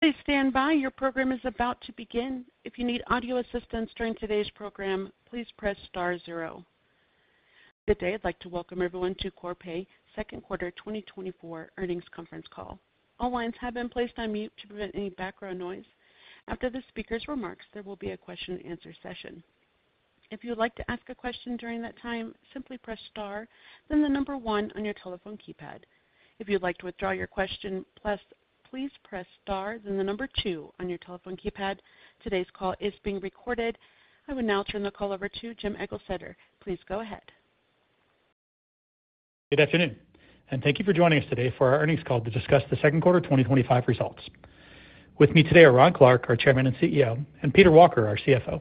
Please stand by. Your program is about to begin. If you need audio assistance during today's program, please press star zero. Today I'd like to welcome everyone to Corpay second quarter 2024 earnings conference call. All lines have been placed on mute to prevent any background noise. After the speaker's remarks, there will be a question and answer session. If you would like to ask a question during that time, simply press star then the number one on your telephone keypad. If you'd like to withdraw your question, please press star then the number two on your telephone keypad. Today's call is being recorded. I will now turn the call over to James Eglseder. Please go ahead. Good afternoon and thank you for joining us today for our earnings call to discuss the second quarter 2025 results. With me today are Ronald Clarke, our Chairman and CEO, and Peter Walker, our CFO.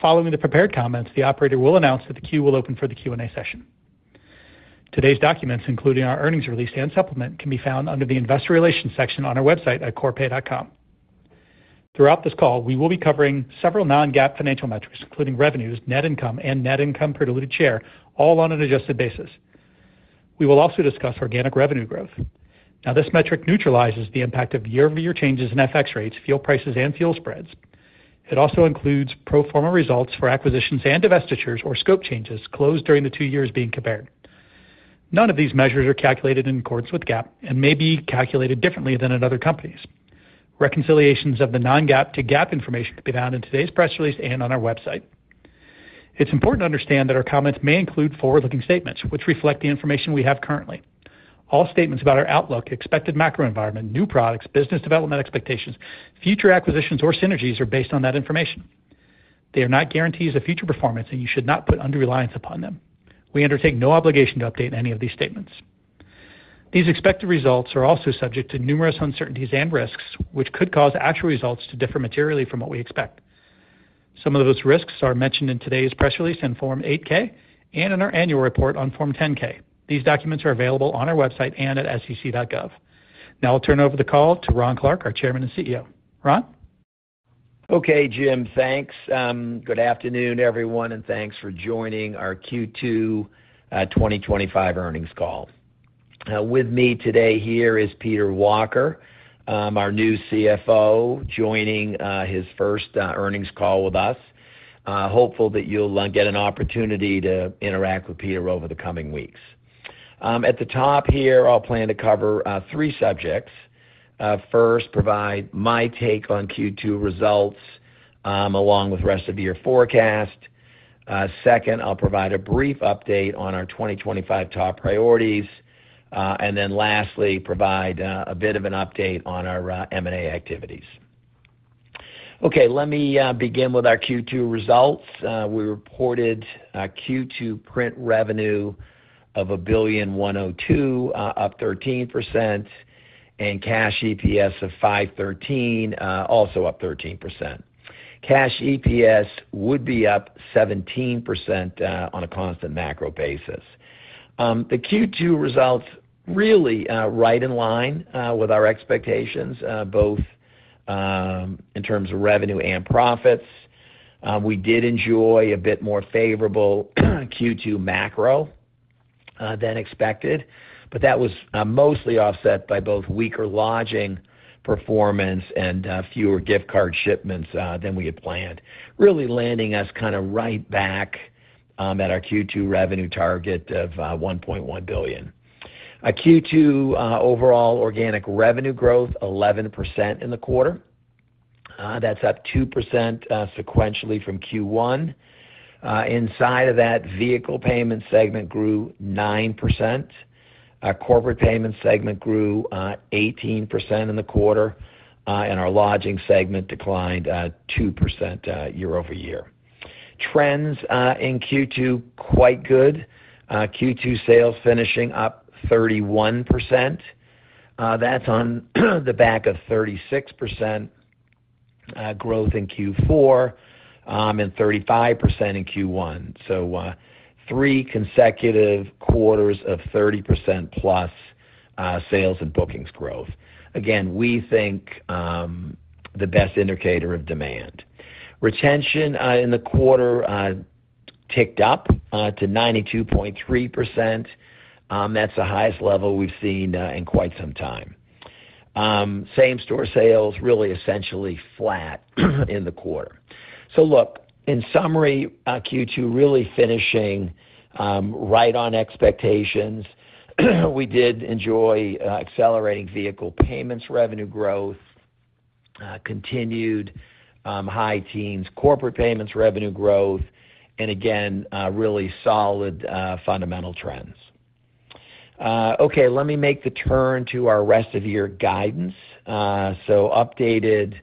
Following the prepared comments, the operator will announce that the queue will open for the Q&A session. Today's documents, including our earnings release and supplement, can be found under the Investor Relations section on our website at corpay.com. Throughout this call we will be covering several non-GAAP financial metrics including revenues, net income, and net income per diluted share, all on an adjusted basis. We will also discuss organic revenue growth. This metric neutralizes the impact of year-over-year changes in FX rates, fuel prices, and fuel spreads. It also includes pro forma results for acquisitions and divestitures or scope changes closed during the two years being compared. None of these measures are calculated in accordance with GAAP and may be calculated differently than at other companies. Reconciliations of the non-GAAP to GAAP information can be found in today's press release and on our website. It's important to understand that our comments may include forward-looking statements which reflect the information we have currently. All statements about our outlook, expected macro environment, new products, business development expectations, future acquisitions, or synergies are based on that information. They are not guarantees of future performance and you should not put undue reliance upon them. We undertake no obligation to update any of these statements. These expected results are also subject to numerous uncertainties and risks which could cause actual results to differ materially from what we expect. Some of those risks are mentioned in today's press release in Form 8-K and in our annual report on Form 10-K. These documents are available on our website and at sec.gov. Now I'll turn over the call to Ronald F. Clarke, our Chairman and CEO. Ron, okay Jim, thanks. Good afternoon everyone and thanks for joining our Q2 2025 earnings call with me today. Here is Peter Walker, our new CFO, joining his first earnings call with us. Hopeful that you'll get an opportunity to interact with Peter over the coming weeks. At the top here, I'll plan to cover three subjects. First, provide my take on Q2 results along with rest of the year forecast. Second, I'll provide a brief update on our 2025 top PR and then lastly provide a bit of an update on our M&A activities. Okay, let me begin with our Q2 results. We reported Q2 print revenue of $1,102,000,000, up 13% and cash EPS of $5.13, also up 13%. Cash EPS would be up 17% on a constant macro basis. The Q2 results really right in line with our expectations both in terms of revenue and profits. We did enjoy a bit more favorable Q2 macro than expected, but that was mostly offset by both weaker lodging performance and fewer gift card shipments than we had planned, really landing us kind of right back at our Q2 revenue target of $1.1 billion. Q2 overall organic revenue growth 11% in the quarter. That's up 2% sequentially from Q1. Inside of that, vehicle payments segment grew 9%, corporate payments segment grew 18% in the quarter, and our lodging segment declined 2% year over year. Trends in Q2 quite good. Q2 sales finishing up 31%. That's on the back of 36% growth in Q4 and 35% in Q1. Three consecutive quarters of 30%+ sales and bookings growth again, we think the best indicator of demand. Retention in the quarter ticked up to 92.3%. That's the highest level we've seen in quite some time. Same store sales really essentially flat in the quarter. Look, in summary, Q2 really finishing right on expectations. We did enjoy accelerating vehicle payments revenue growth, continued high teens corporate payments revenue growth, and again, really solid fundamental trends. Okay, let me make the turn to our rest of year guidance. Updated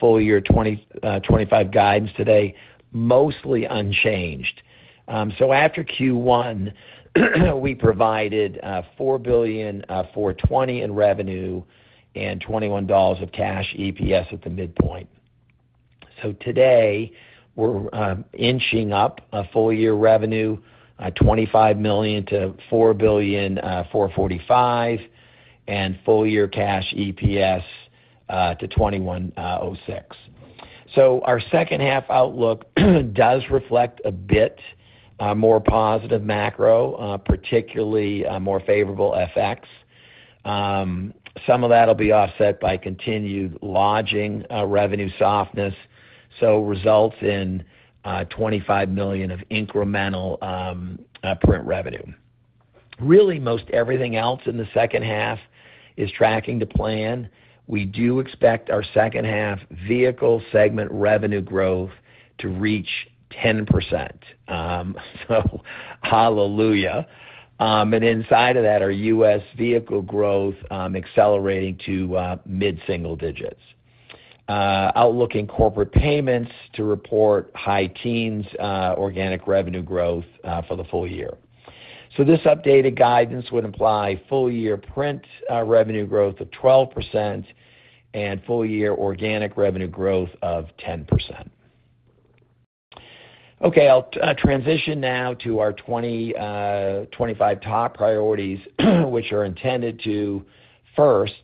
full year 2025 guidance today, mostly unchanged. After Q1, you know, we provided $4,420,000,000 in revenue and $21 of cash EPS at the midpoint. Today we're inching up full year revenue $25 million to $4,445,000,000 and full year cash EPS to $21.06. Our second half outlook does reflect a bit more positive macro, particularly more favorable FX. Some of that will be offset by continued lodging revenue softness, which results in $25 million of incremental print revenue. Most everything else in the second half is tracking to plan. We do expect our second half vehicle segment revenue growth to reach 10%. Hallelujah. Inside of that, our U.S. vehicle growth is accelerating to mid single digits. Outlooking corporate payments to report high teens organic revenue growth for the full year. This updated guidance would imply full year print revenue growth of 12% and full year organic revenue growth of 10%. I'll transition now to our 2025 top priorities, which are intended to first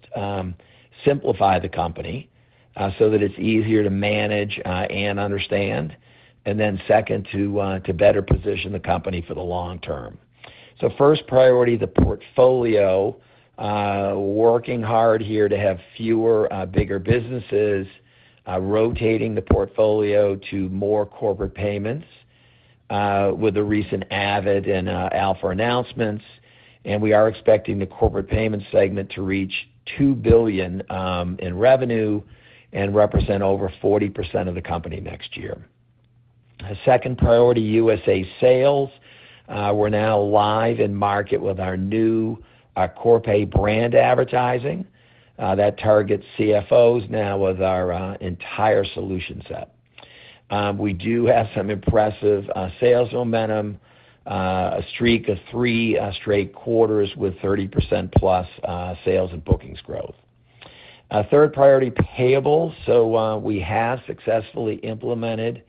simplify the company so that it's easier to manage and understand, and then second to better position the company for the long term. First priority: the portfolio. Working hard here to have fewer, bigger businesses, rotating the portfolio to more corporate payments with the recent Avid and Alpha announcements, and we are expecting the corporate payments segment to reach $2 billion in revenue and represent over 40% of the company next year. Second priority: U.S.A. sales. We're now live in market with our new Corpay brand advertising that targets CFOs. Now with our entire solution set, we do have some impressive sales momentum—a streak of three straight quarters with 30%+ sales and bookings growth. Third priority: payable. We have successfully implemented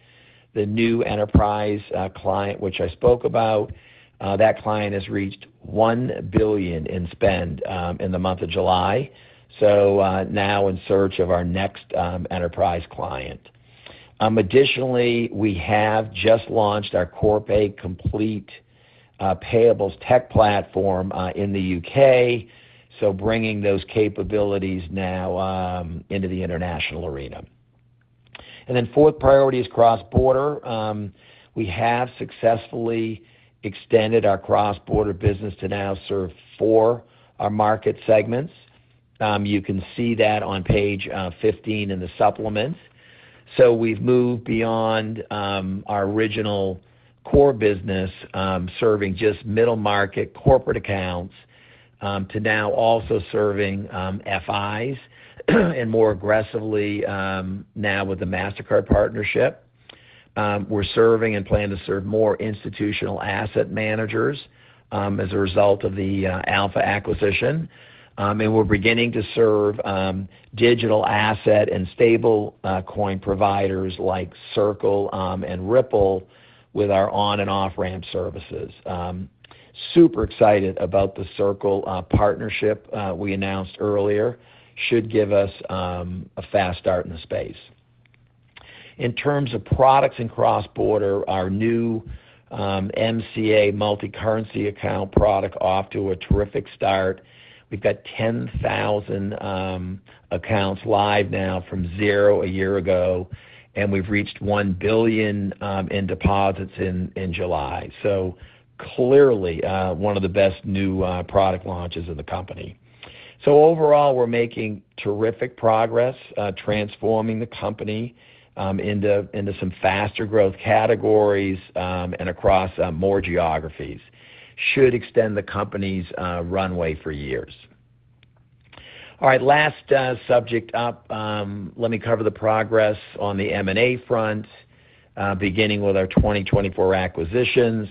the new enterprise client which I spoke about. That client has reached $1 billion in spend in the month of July. Now in search of our next enterprise client. Additionally, we have just launched our Corpay complete payables tech platform in the U.K., bringing those capabilities now into the international arena. Fourth priority is cross border. We have successfully extended our cross border business to now serve four market segments. You can see that on page 15 in the supplement. We've moved beyond our original core business serving just middle market corporate accounts to now also serving FIs, and more aggressively now with the Mastercard partnership. We're serving and plan to serve more institutional asset managers as a result of the Alpha acquisition. We're beginning to serve digital asset and stablecoin providers like Circle and Ripple with our on and off ramp services. Super excited about the Circle partnership we announced earlier. Should give us a fast start in the space in terms of products. In cross border, our new MCA Multi-Currency Account product is off to a terrific start. We've got 10,000 accounts live now from zero a year ago, and we've reached $1 billion in deposits in July. Clearly one of the best new product launches in the company. Overall we're making terrific progress transforming the company into some faster growth categories and across more geographies. This should extend the company's runway for years. Last subject up, let me cover the progress on the M&A front beginning with our 2024 acquisitions.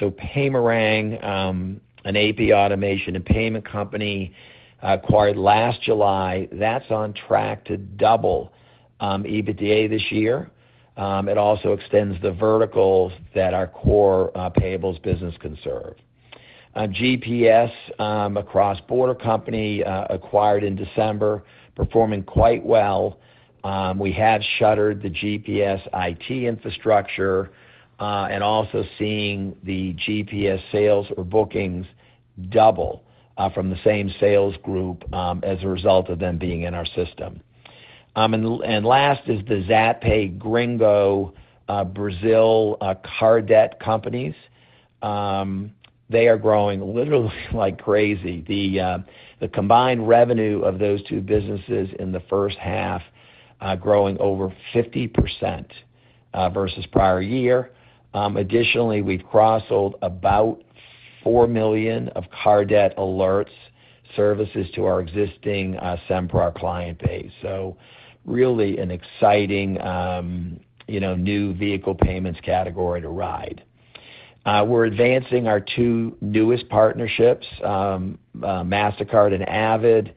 Paymerang, an AP automation and payment company acquired last July, is on track to double EBITDA this year. It also extends the verticals that our core payables business can serve. GPS, a cross border company acquired in December, is performing quite well. We have shuttered the GPS IT infrastructure and are also seeing the GPS sales or bookings double from the same sales group as a result of them being in our system. Last are the Zappa and Gringo Brazil vehicle payments companies. They are growing literally like crazy. The combined revenue of those two businesses in the first half is growing over 50% versus prior year. Additionally, we've cross sold about $4 million of vehicle payments alert services to our existing Sempra client base. This is really an exciting new vehicle payments category to ride. We're advancing our two newest partnerships, Mastercard and Avid.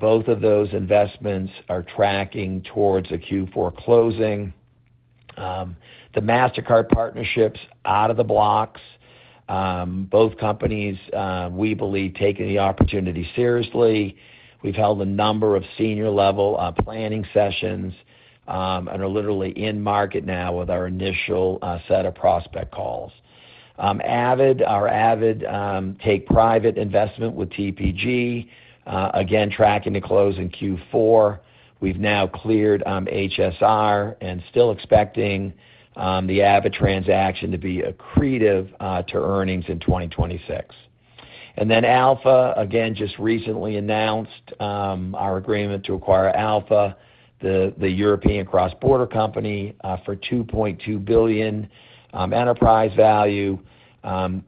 Both of those investments are tracking towards a Q4 closing. The Mastercard partnership is out of the blocks. Both companies, we believe, are taking the opportunity seriously. We've held a number of senior level planning sessions and are literally in market now with our initial set of prospect calls. Avid, our Avid take private investment with TPG, is again tracking to close in Q4. We've now cleared HSR and are still expecting the Avid transaction to be accretive to earnings in 2026. Alpha, again, just recently announced our agreement to acquire Alpha, the European cross border company, for $2.2 billion enterprise value.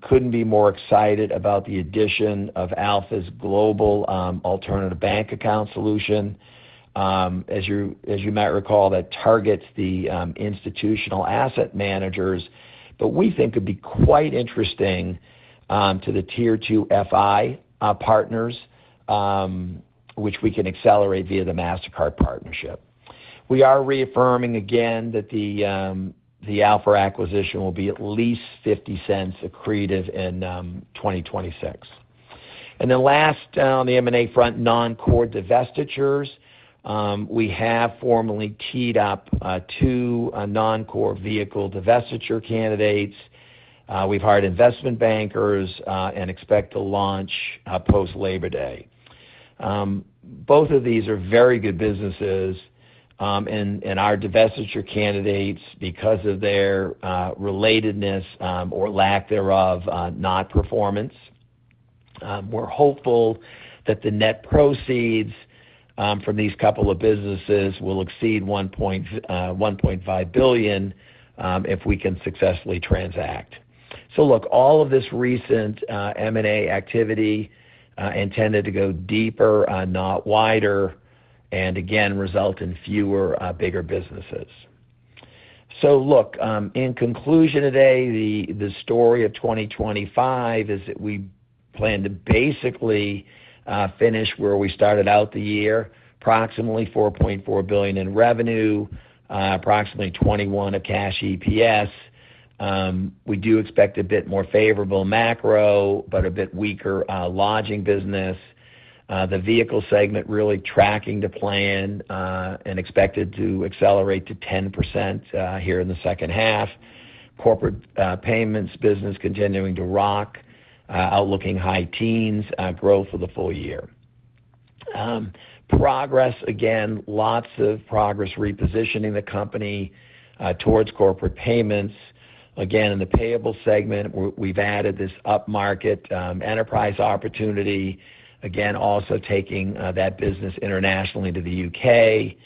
Couldn't be more excited about the addition of Alpha's global alternative bank account solution as you might recall targets the institutional asset managers, but we think could be quite interesting to the Tier 2 FI partners, which we can accelerate via the Mastercard partnership. We are reaffirming again that the Alpha acquisition will be at least $0.50 accretive in 2026. Last on the M&A front, non-core divestitures, we have formally teed up two non-core vehicle divestiture candidates. We've hired investment bankers and expect to launch post Labor Day. Both of these are very good businesses and are divestiture candidates because of their relatedness or lack thereof, not performance. We're hopeful that the net proceeds from these couple of businesses will exceed $1.5 billion if we can successfully transact. All of this recent M&A activity is intended to go deeper, not wider, and again result in fewer, bigger businesses. In conclusion, today the story of 2025 is that we plan to basically finish where we started out the year, approximately $4.4 billion in revenue, approximately $21 of cash EPS. We do expect a bit more favorable macro but a bit weaker lodging business. The vehicle segment is really tracking the plan and expected to accelerate to 10% here in the second half. Corporate payments business continuing to rock. Outlooking high teens growth for the full year. Progress again, lots of progress. Repositioning the company towards corporate payments again in the payable segment. We've added this upmarket enterprise opportunity again, also taking that business internationally to the U.K.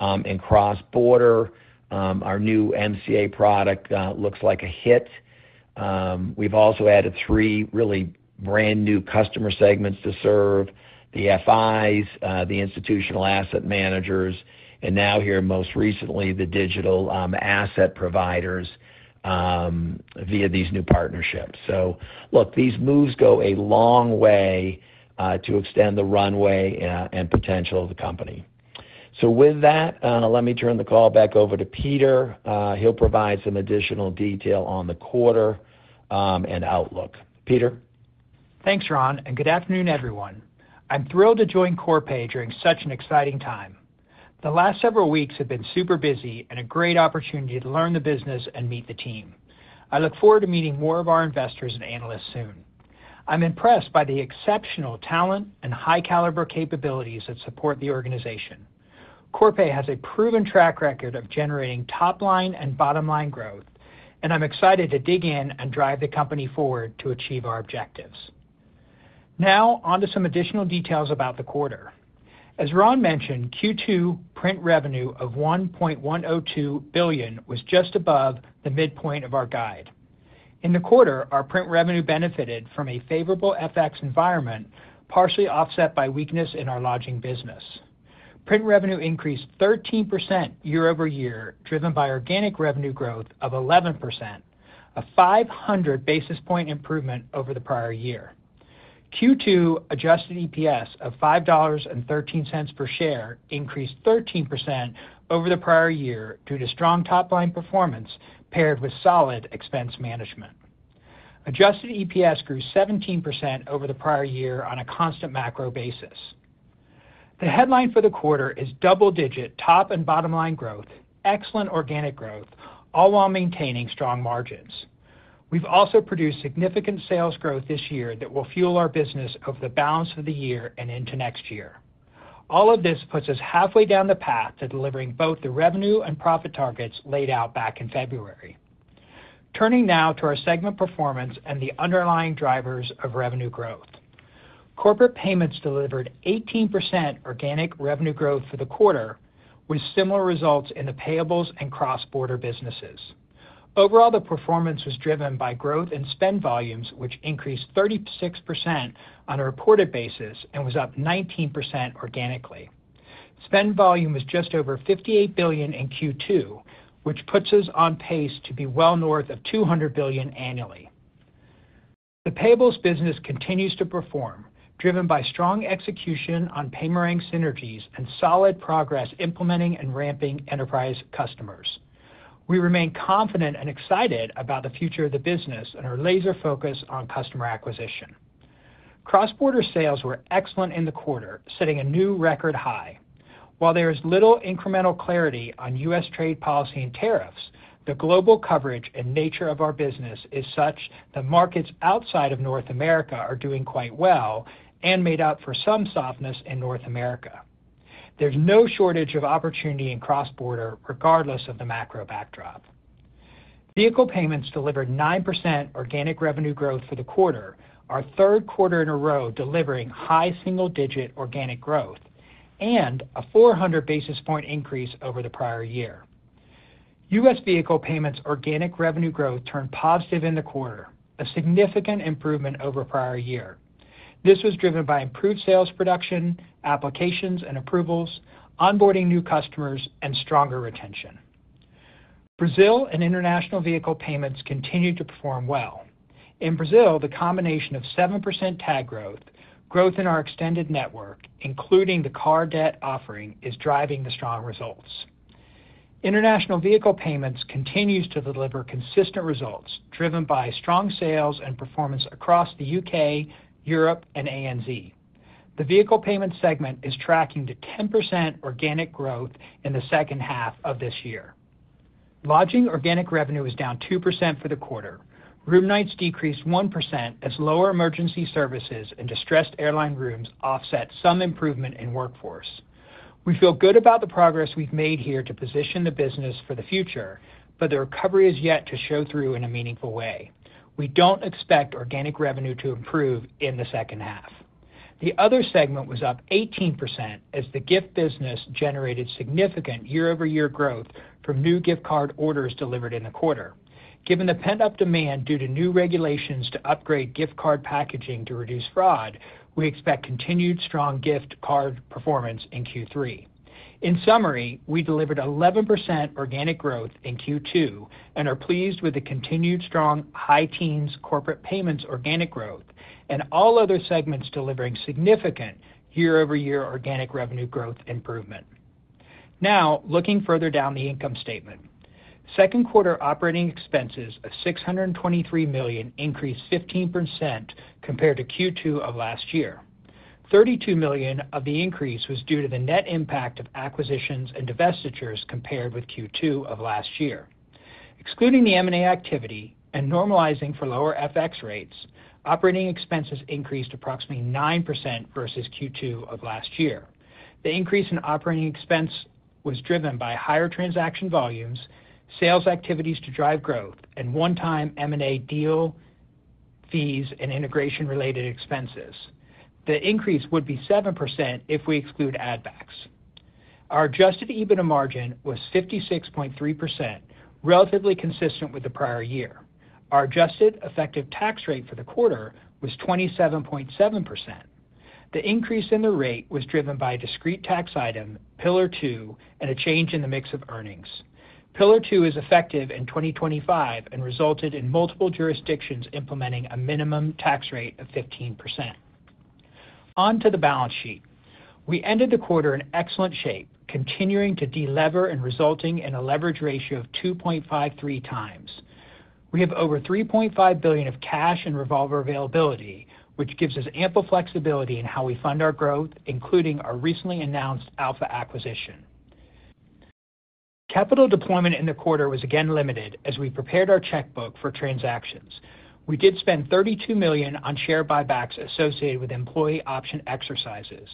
and cross border. Our new MCA product looks like a hit. We've also added three really brand new customer segments to serve the FIs, the institutional asset managers, and now here most recently the digital asset providers via these new partnerships. These moves go a long way to extend the runway and potential of the company. With that, let me turn the call back over to Peter. He'll provide some additional detail on the quarter and outlook. Peter? Thanks Ron, and good afternoon everyone. I'm thrilled to join Corpay during such an exciting time. The last several weeks have been super busy and a great opportunity to learn the business and meet the team. I look forward to meeting more of our investors and analysts soon. I'm impressed by the exceptional talent and high caliber capabilities that support the organization. Corpay has a proven track record of generating top line and bottom line growth, and I'm excited to dig in and drive the company forward to achieve our objectives. Now onto some additional details about the quarter. As Ron mentioned, Q2 print revenue of $1.102 billion was just above the midpoint of our guide in the quarter. Our print revenue benefited from a favorable FX environment, partially offset by weakness in our lodging business. Print revenue increased 13% year over year, driven by organic revenue growth of 11%, a 500 basis point improvement over the prior year. Q2 adjusted EPS of $5.13 per share increased 13% over the prior year due to strong top line performance paired with solid expense management. Adjusted EPS grew 17% over the prior year on a constant macro basis. The headline for the quarter is double digit top and bottom line growth, excellent organic growth, all while maintaining strong margins. We've also produced significant sales growth this year that will fuel our business over the balance of the year and into next year. All of this puts us halfway down the path to delivering both the revenue and profit targets laid out back in February. Turning now to our segment performance and the underlying drivers of revenue growth, corporate payments delivered 18% organic revenue growth for the quarter with similar results in the payables and cross border businesses. Overall, the performance was driven by growth in spend volumes, which increased 36% on a reported basis and was up 19% organically. Spend volume was just over $58 billion in Q2, which puts us on pace to be well north of $200 billion annually. The payables business continues to perform, driven by strong execution on Paymerang synergies and solid progress implementing and ramping enterprise customers. We remain confident and excited about the future of the business and our laser focus on customer acquisition. Cross border sales were excellent in the quarter, setting a new record high. While there is little incremental clarity on U.S. Trade policy and tariffs, the global coverage and nature of our business is such that markets outside of North America are doing quite well and made up for some softness in North America. There's no shortage of opportunity in cross border. Regardless of the macro backdrop, vehicle payments delivered 9% organic revenue growth for the quarter, our third quarter in a row delivering high single digit organic growth and a 400 basis point increase over the prior year. U.S. vehicle payments organic revenue growth turned positive in the quarter, a significant improvement over prior year. This was driven by improved sales, production, applications and approvals, onboarding new customers and stronger retention. Brazil and international vehicle payments continued to perform well in Brazil. The combination of 7% tag growth in our extended network including the car debt offering is driving the strong results. International vehicle payments continues to deliver consistent results driven by strong sales and performance across the U.K., Europe and ANZ. The vehicle payments segment is tracking to 10% organic growth in the second half of this year. Lodging organic revenue was down 2% for the quarter. Room nights decreased 1% as lower emergency services and distressed airline rooms offset some improvement in workforce. We feel good about the progress we've made here to position the business for the future, but the recovery is yet to show through in a meaningful way. We don't expect organic revenue to improve in the second half. The other segment was up 18% as the gift business generated significant year over year growth from new gift card orders delivered in the quarter. Given the pent up demand due to new regulations to upgrade gift card packaging to reduce fraud, we expect continued strong gift card performance in Q3. In summary, we delivered 11% organic growth in Q2 and are pleased with the continued strong high teens corporate payments organic growth and all other segments delivering significant year over year organic revenue growth improvement. Now looking further down the income statement, second quarter operating expenses of $623 million increased 15% compared to Q2 of last year. $32 million of the increase was due to the net impact of acquisitions and divestitures compared with Q2 of last year. Excluding the M&A activity and normalizing for lower FX rates, operating expenses increased approximately 9% versus Q2 of last year. The increase in operating expense was driven by higher transaction volumes, sales activities to drive growth, and one-time M&A deal fees and integration-related expenses. The increase would be 7% if we exclude add backs. Our adjusted EBITDA margin was 56.3%, relatively consistent with the prior year. Our adjusted effective tax rate for the quarter was 27.7%. The increase in the rate was driven by discrete tax item Pillar 2 and a change in the mix of earnings. Pillar 2 is effective in 2025 and resulted in multiple jurisdictions implementing a minimum tax of 15% onto the balance sheet. We ended the quarter in excellent shape, continuing to delever and resulting in a leverage ratio of 2.53x. We have over $3.5 billion of cash and revolver availability, which gives us ample flexibility in how we fund our growth, including our recently announced Alpha acquisition. Capital deployment in the quarter was again limited as we prepared our checkbook for transactions. We did spend $32 million on share buybacks associated with employee option exercises.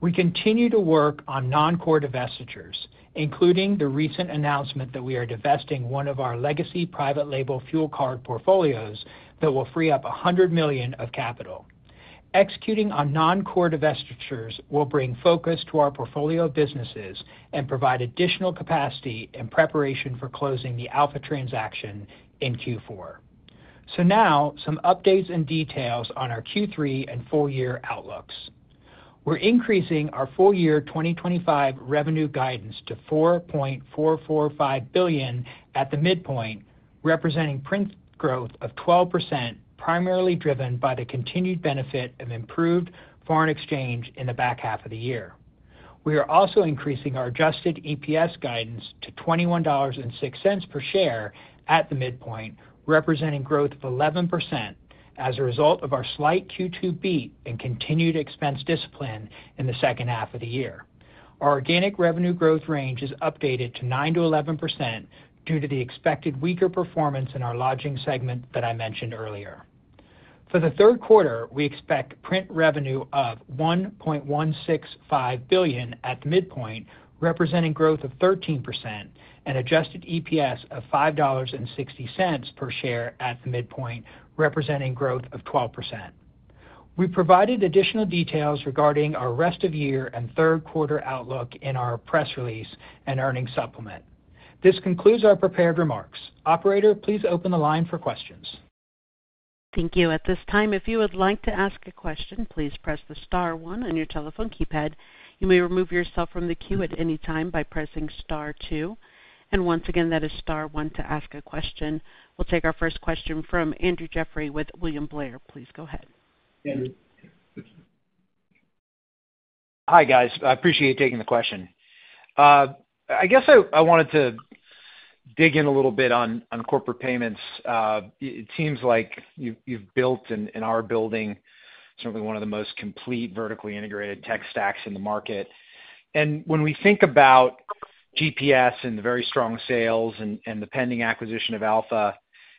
We continue to work on non-core divestitures, including the recent announcement that we are divesting one of our legacy private label fuel card portfolios that will free up $100 million of capital. Executing on non-core divestitures will bring focus to our portfolio of businesses and provide additional capacity in preparation for closing the Alpha transaction in Q4. Now some updates and details on our Q3 and full year outlooks. We're increasing our full year 2025 revenue guidance to $4.445 billion at the midpoint, representing print growth of 12%, primarily driven by the continued benefit of improved foreign exchange in the back half of the year. We are also increasing our adjusted EPS guidance to $21.06 per share at the midpoint, representing growth of 11%. As a result of our slight Q2 beat and continued expense discipline in the second half of the year, our organic revenue growth range is updated to 9% to 11% due to the expected weaker performance in our lodging segment that I mentioned earlier. For the third quarter, we expect print revenue of $1.165 billion at the midpoint, representing growth of 13%, and adjusted EPS of $5.60 per share at the midpoint, representing growth of 12%. We provided additional details regarding our rest of year and third quarter outlook in our press release and earnings supplement. This concludes our prepared remarks. Operator, please open the line for questions. Thank you. At this time, if you would like to ask a question, please press the star one on your telephone keypad. You may remove yourself from the queue at any time by pressing star two. Once again, that is star one to ask a question. We'll take our first question from Andrew Jeffrey with William Blair. Please go ahead. Hi guys. I appreciate you taking the question. I guess I wanted to dig in a little bit on corporate payments. It seems like you've built and are building certainly one of the most complete. Vertically integrated tech stacks in the market. When we think about GPS and the very strong sales and the pending acquisition of Alpha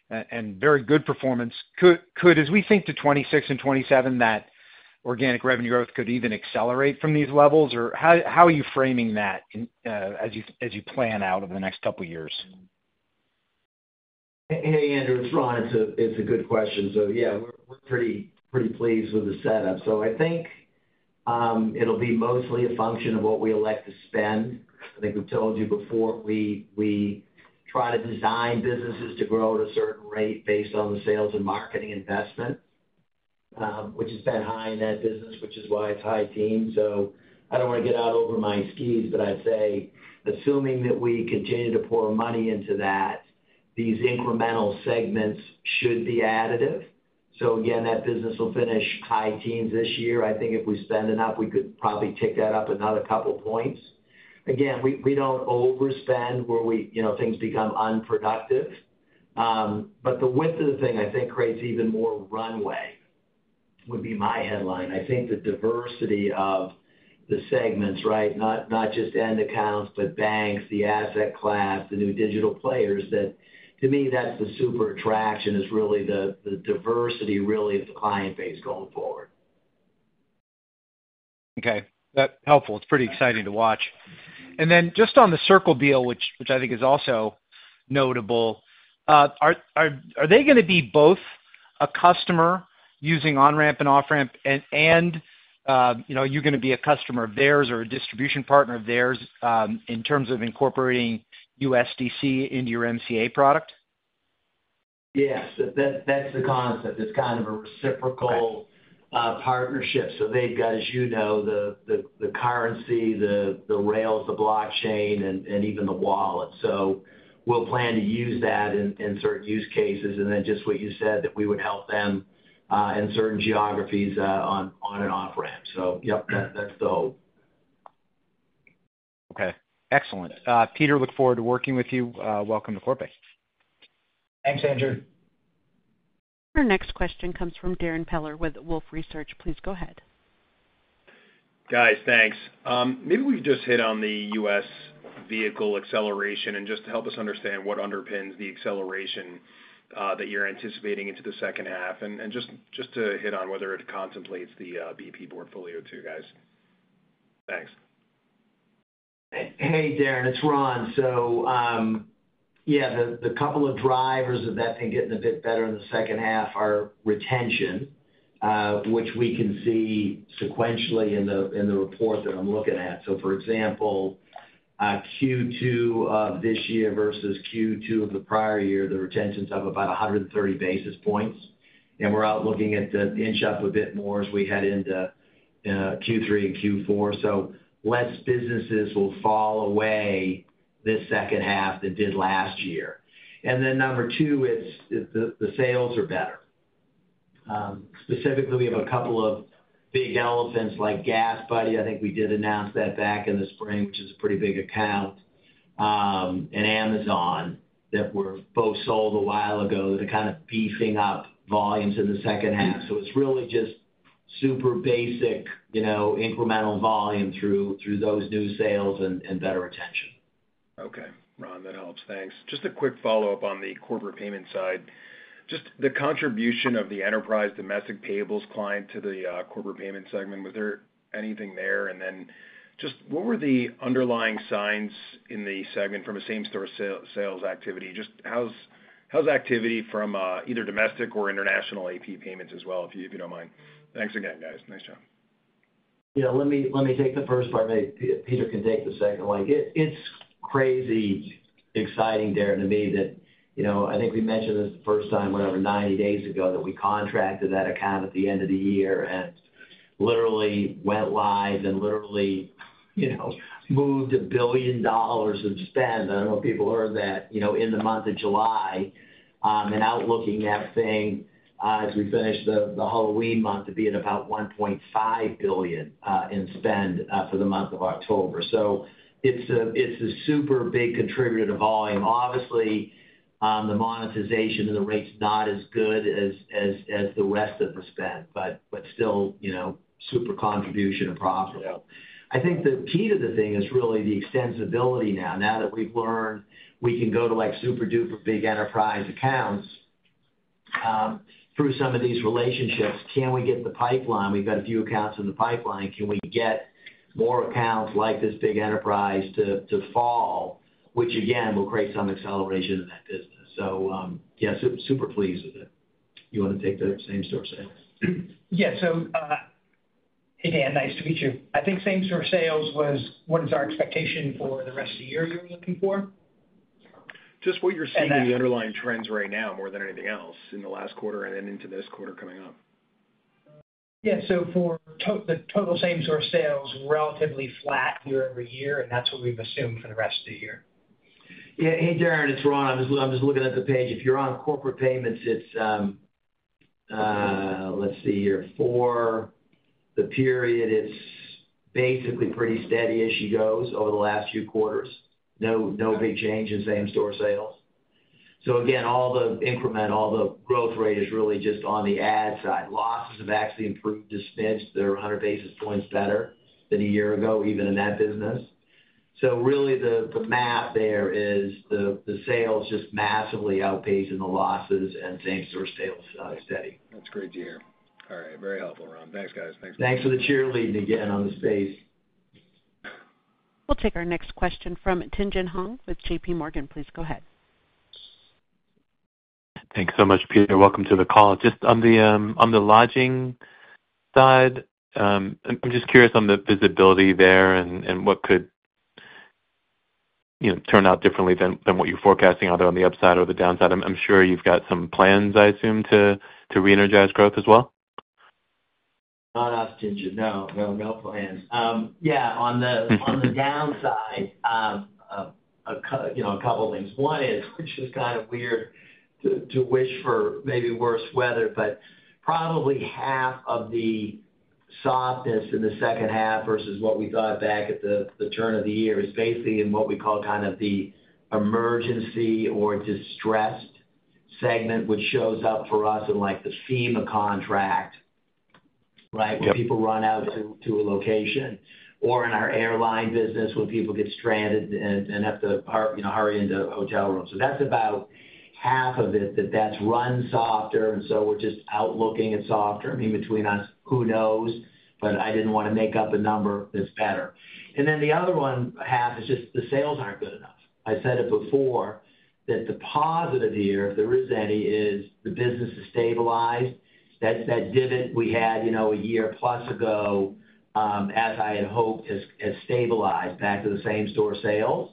and very good performance, as we think to 2026 and 2027, that organic revenue growth could even accelerate from these levels. How are you framing that as you plan out over the next couple years? Hey Andrew, it's Ron. It's a good question. We're pretty, pretty pleased with the setup. I think it'll be mostly a function of what we elect to spend. I think we've told you before we try to design businesses to grow at a certain rate based on the sales and marketing investment, which is fed high in that business, which is why it's high teens. I don't want to get out over my skis, but I'd say assuming that we continue to pour money into that, these incremental segments should be additive. Again, that business will finish high teens this year. I think if we spend enough, we could probably tick that up another couple points. We don't overspend where things become unproductive. The width of the thing, I think, creates even more runway would be my headline. I think the diversity of the segments, right, not just end accounts but banks, the asset class, the new digital players, that to me, that's the super attraction, is really the diversity really of the client base going forward. Okay, that's helpful. It's pretty exciting to watch. Just on the Circle deal which I think is also notable. Are they going to be both a customer using on ramp and off ramp, and are you going to be a customer of theirs or a distribution partner of theirs in terms of incorporating USDC into your Multi-Currency Account product? Yes, that's the concept. It's kind of a reciprocal partnership. They've got, as you know, the currency, the rails, the blockchain, and even the wallet. We'll plan to use that in certain use cases, and just what you said, we would help them in certain geographies on on and off ramp. Yep, that's the whole. Okay, excellent. Peter, look forward to working with you. Welcome to Corpay. Thanks, Andrew. Our next question comes from Darrin Peller with Wolfe Research. Please go ahead. Guys, thanks. Maybe we just hit on the U.S. vehicle acceleration and just to help us understand what underpins the acceleration that you're anticipating into the second half and just to hit on whether it contemplates the BP portfolio too guys, thanks. Hey Darrin, it's Ron. The couple of drivers of that and getting a bit better in the second half are retention, which we can see sequentially in the report that I'm looking at. For example, Q2 of this year versus Q2 of the prior year, the retention's up about 130 basis points and we're out looking at the inch up a bit more as we head into Q3 and Q4. Less businesses will fall away this second half that did last year. Number two is the sales are better. Specifically, we have a couple of big elephants like GasBuddy. I think we did announce that back in the spring, which is a pretty big account, and Amazon that were both sold a while ago to kind of piecing up volumes in the second half. It's really just super basic, you know, incremental volume through those new sales and better retention. Okay Ron, that helps. Thanks. Just a quick follow up on the corporate payment side. Just the contribution of the enterprise domestic payables client to the corporate payment segment. Was there anything there? What were the underlying signs in the segment from a same store sales activity? How's activity from either domestic or international AP payments as well, if you don't mind. Thanks again guys. Nice job. Yeah, let me take the first part. Peter can take the second. It's crazy exciting Darren, to me that, you know, I think we mentioned this the first time, whatever, 90 days ago that we contracted that account at the end of the year and literally went live and literally, you know, moved $1 billion of spend. I don't know if people heard that, you know, in the month of July and out looking at thing as we finish the Halloween month to be at about $1.5 billion in spend for the month of October. It's a super big contributor to volume. Obviously, the monetization and the rate's not as good as the rest of respect but still super contribution and profit. I think the key to the thing is really the extensibility now, now that we've learned we can go to like super duper big enterprise accounts through some of these relationships, can we get in the pipeline? We've got a few accounts in the pipeline. Can we get more accounts like this big enterprise to fall which again will create some acceleration in that business. Yes, super pleased with it. You want to take the same store sales? Yeah. Hey Darrin, nice to meet you. I think same store sales was what is our expectation for the rest of the year before. Just what you're seeing in the underlying trends right now more than anything else in the last quarter and then into this quarter coming up. Yeah. For the total same source sales, relatively flat year over year, and that's what we've assumed for the rest of the year. Yeah. Hey Darrin. It's Ron. I'm just looking at the page. If you're on corporate payments, it's let's see here for the period and basically pretty steady as she goes over the last few quarters. No big change in same store sales. Again, all the incremental, the growth rate is really just on the ad side. Losses have actually improved. The spins, they're 100 basis points better than a year ago even in that business. Really the math there is the sales just massively outpacing the losses and things are sales steady. That's great to hear. All right. Very helpful, Ron. Thanks, guys. Thanks for the cheerleading again on the space. We'll take our next question from Jing Jin Hong with JP Morgan. Please go ahead. Thanks so much. Peter, welcome to the call. Just on the lodging side, I'm just curious on the visibility there and what could turn out differently than what you're forecasting either on the upside or the downside. I'm sure you've got some plans, I assume, to re-energize growth as well. Not opting, no, no, no plans. On the downside, a couple things. One is, which is kind of weird to wish for, maybe worse weather, but probably half of the softness in the second half versus what we thought back at the turn of the year is basically in what we call kind of the emergency or distress segment, which shows up for us in the FEMA contract, where people run out to a location or in our airline business where people get stranded and have to hurry into a hotel room. That's about half of it. That's run softer, and we're just out looking at softer. I mean, between us, who knows. I didn't want to make up a number that's better. The other one half is just the sales aren't good enough. I said it before that the positive here, if there is any, is the business is stabilized. That dividend we had, a year plus ago, as I had hoped, has stabilized back to the same store sales.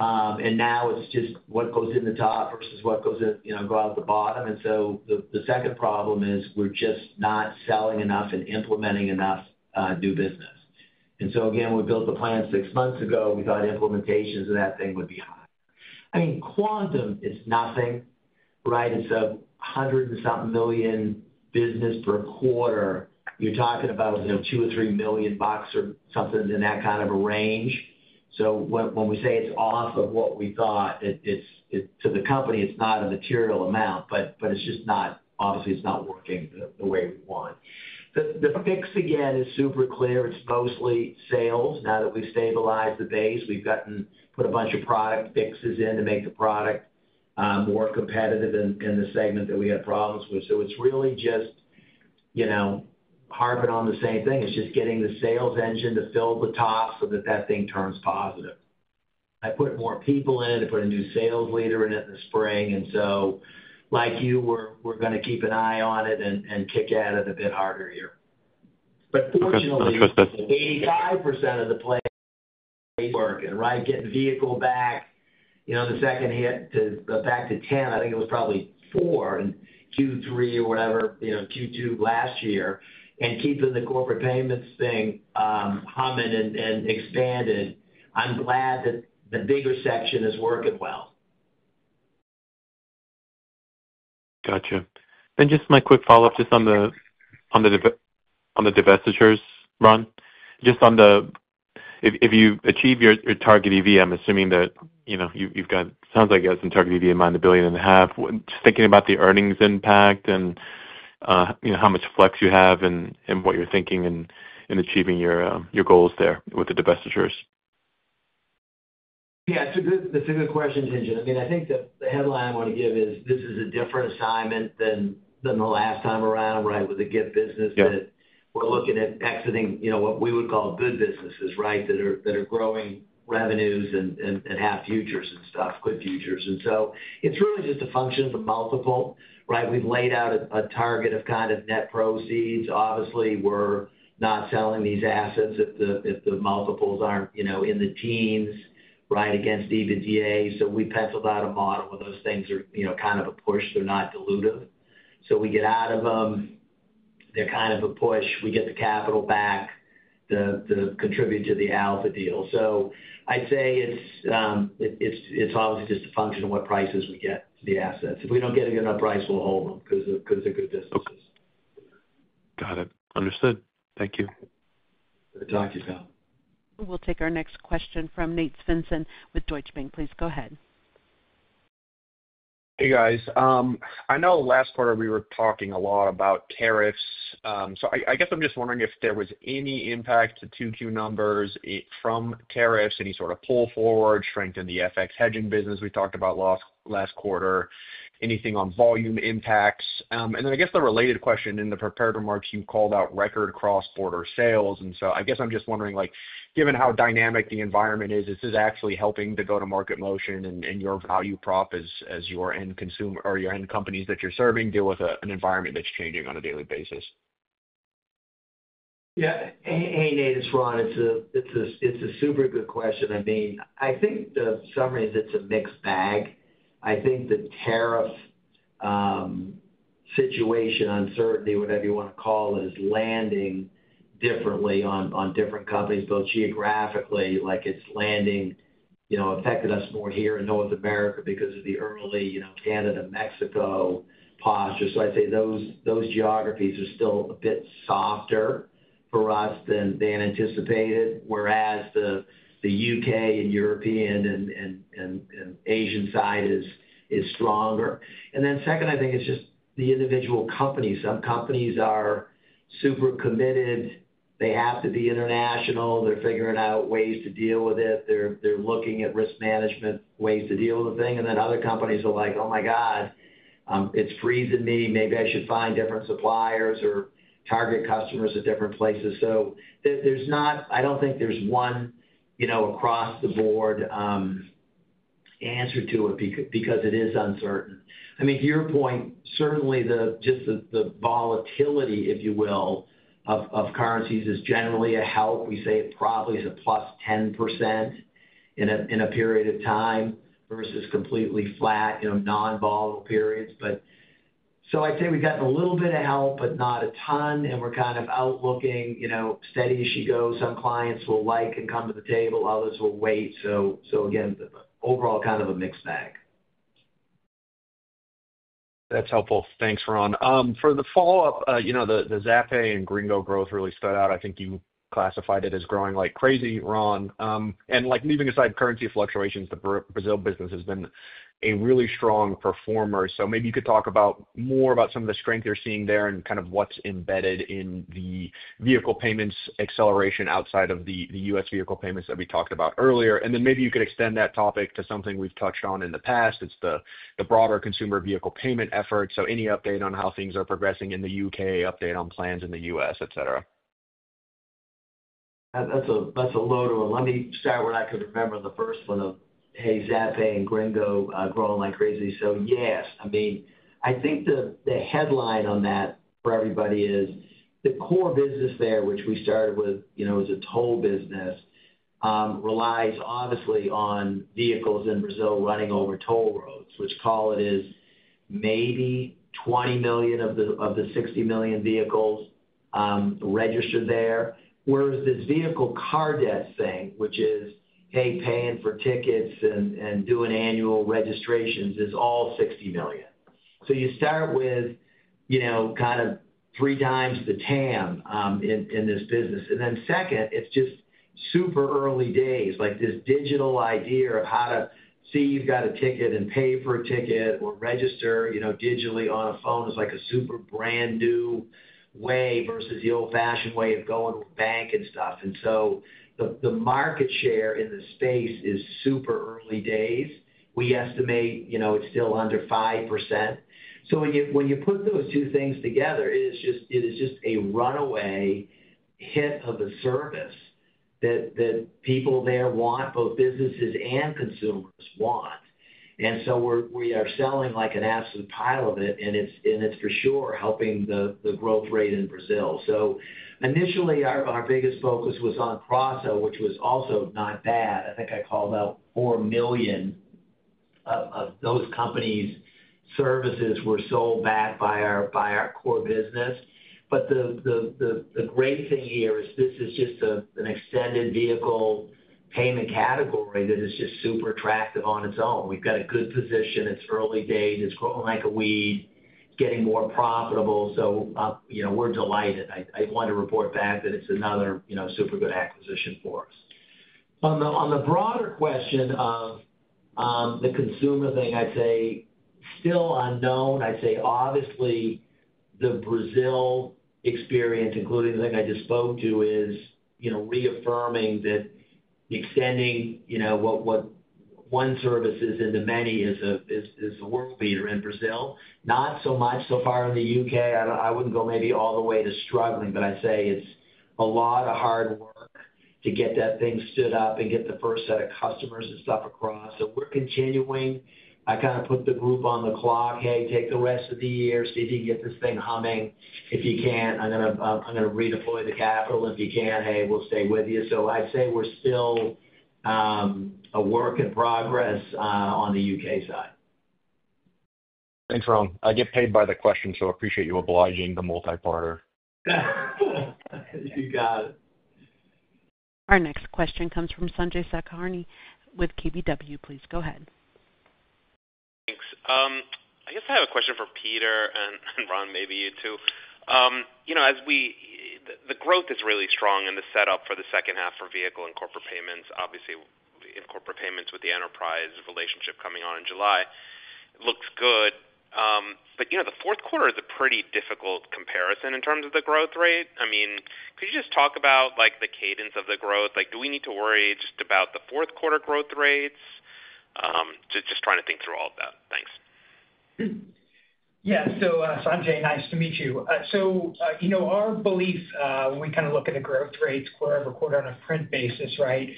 Now it's just what goes in the top versus what goes out the bottom. The second problem is we're just not selling enough and implementing enough new business. We built the plant six months ago. We thought implementations of that thing would be hot. Quantum is nothing, right? It's a hundred and something million business per quarter. You're talking about $2 or $3 million or something in that kind of a range. When we say it's off of what we thought to the company, it's not a material amount, but it's just not, obviously it's not working the way we want. The fix again is super clear. It's mostly sales now that we stabilized the base. We've put a bunch of product fixes in to make the product more competitive in the segment that we had problems with. It's really just, you know, harping on the same thing. It's just getting the sales engine to fill the top so that that thing turns positive. I put more people in, put a new sales leader in it in the spring. Like you, we're going to keep an eye on it and kick at it a bit harder here. Fortunately, 85% of the plan worked and right, getting vehicle back. You know, the second hit to back to 10, I think it was probably 4 in Q3 or whatever, you know, Q2 last year and keeping the corporate payments thing humming and expanded. I'm glad that the bigger section is working well. Gotcha. Just my quick follow up. Just on the divestitures, Ron, just on the, if you achieve your target EV, I'm assuming that, you know, you've got, sounds like you have some target EV in mind, $1.5 billion. Just thinking about the earnings impact and you know, how much flex you have and what you're thinking and achieving your goals there with the divestitures. Yeah, that's a good question, Ginger. I mean, I think that the headline I want to give is this is a different assignment than the last time around. Right. With the gift business that we're looking at exiting, you know, what we would call good businesses, right, that are growing revenues and have futures and stuff. Good futures. It's really just a function of the multiple. Right? We've laid out a target of kind of net proceeds. Obviously we're not selling these assets if the multiples aren't in the teens, right, against EBITDA. So we penciled out a model of those. Things are kind of a push. They're not dilutive. So we get out of them, they're kind of a push. We get the capital back, they contribute to the Alpha deal. I'd say it's obviously just a function of what prices we get the assets. If we don't get a good enough price, we'll hold them because of good businesses. Got it. Understood. Thank you. Thank you. We'll take our next question from Nate Svensson with Deutsche Bank. Please go ahead. Hey guys, I know last quarter we were talking a lot about tariffs. I guess I'm just wondering if there was any impact to Q2 numbers from tariffs, any sort of pull forward strength in the FX hedging business we talked about last quarter, anything on volume impacts. The related question in the prepared remarks, you called out record cross border sales. I guess I'm just wondering, given how dynamic the environment is, if this is actually helping the go to market motion and your value prop as your end consumer or your end companies that you're serving deal with an environment that's changing on a daily basis. Yeah. Hey Nate, it's Ron. It's a super good question. I think the summary is, it's a mixed bag. I think the tariff situation, uncertainty, whatever you want to call it, is landing differently on different companies. Both geographically, like it's landing, you know, affected us more here in North America because of the early, you know, Canada, Mexico. I'd say those geographies are still a bit softer for us than they anticipated, whereas the U.K. and European and Asian side is stronger. I think it's just the individual companies, some companies are super committed. They have to be international. They're figuring out ways to deal with it. They're looking at risk management ways to deal with the thing. Other companies are like, oh my God, it's freezing me, maybe I should find different suppliers or target customers at different places. There's not, I don't think there's one, you know, across the board answer to it because it is uncertain. I mean, to your point, certainly the volatility, if you will, of currencies is generally a help. We say it probably is a +10% in a period of time versus completely flat non-volatile periods. I'd say we've gotten a little bit of help but not a ton. We're kind of out looking steady as you go. Some clients will like and come to the table, others will wait. Again, overall, kind of a mixed bag. That's helpful. Thanks Ron, for the follow up. You know, the Zappa and Gringo growth really stood out. I think you classified it as growing like crazy, Ron. Leaving aside currency fluctuations, the Brazil business has been a really strong performer. Maybe you could talk more about some of the strength you're seeing there and what's embedded in the vehicle payments acceleration outside of the U.S. vehicle payments that we talked about earlier. Maybe you could extend that topic to something we've touched on in the broader consumer vehicle payment effort. Any update on how things are progressing in the U.K., update on plans in the U.S., et cetera. That's a lot. Let me start where I remember the first one of, hey, Zappa and Gringo growing like crazy. Yes, I think the headline on that for everybody is the core business there, which we started with as a toll business, relies honestly on vehicles in Brazil running over toll roads, which is maybe 20 million of the 60 million vehicles registered there. Whereas this vehicle card debt thing, which is paying for tickets and doing annual registrations, is all 60 million. You start with kind of 3x the TAM in this business. Second, it's just super early days, like this digital idea of how to see you've got a ticket and pay for a ticket or register digitally on a phone is a super brand new way versus the old-fashioned way of going to a bank and stuff. The market share in the space is super early days. We estimate it's still under 5%. When you put those two things together, it is just a runaway hit of the service that people there want, both businesses and consumers want. We are selling like an absolute pile of it, and it's for sure helping the growth rate in Brazil. Initially, our biggest focus was on Crosso, which was also not bad. I think I called out 4 million of those company services were sold back by our core business. The great thing here is this is just an extended vehicle payments category that is super attractive on its own. We've got a good position. It's early days, it's growing like a weed, getting more profitable. We're delighted. I wanted to report back that it's another super good acquisition for us. On the broader question of the consumer thing, I'd say still unknown. Obviously, the Brazil experience, including the thing I just spoke to, is reaffirming that extending what one service into many is the world leader in Brazil. Not so much so far in the U.K. I wouldn't go maybe all the way to struggling, but I'd say it's a lot of hard work to get that thing stood up and get the first set of customers and stuff across. We're continuing. I kind of put the group on the clock. Hey, take the rest of the year, get this thing humming. If you can't, I'm going to redeploy the capital. If you can, we'll stay with you. I'd say we're still a work in progress on the U.K. side. Thanks, Ron. I get paid by the question, so I appreciate you obliging the multi parter. You got it. Our next question comes from Sanjay Sakhrani with KBW. Please go ahead. Thanks. I guess I have a question for Peter and Ron. Maybe you too. The growth is really strong in the setup for the second half for vehicle and corporate payments. Obviously in corporate payments with the enterprise relationship coming on in July looks good, but the fourth quarter is a pretty difficult comparison in terms of the growth rate. Could you just talk about the cadence of the growth? Do we need to worry about the fourth quarter growth rates? Just trying to think through all of that. Thanks. Yeah. Sanjay, nice to meet you. You know our beliefs when we kind of look at the growth rates quarter over quarter on a print basis. Right.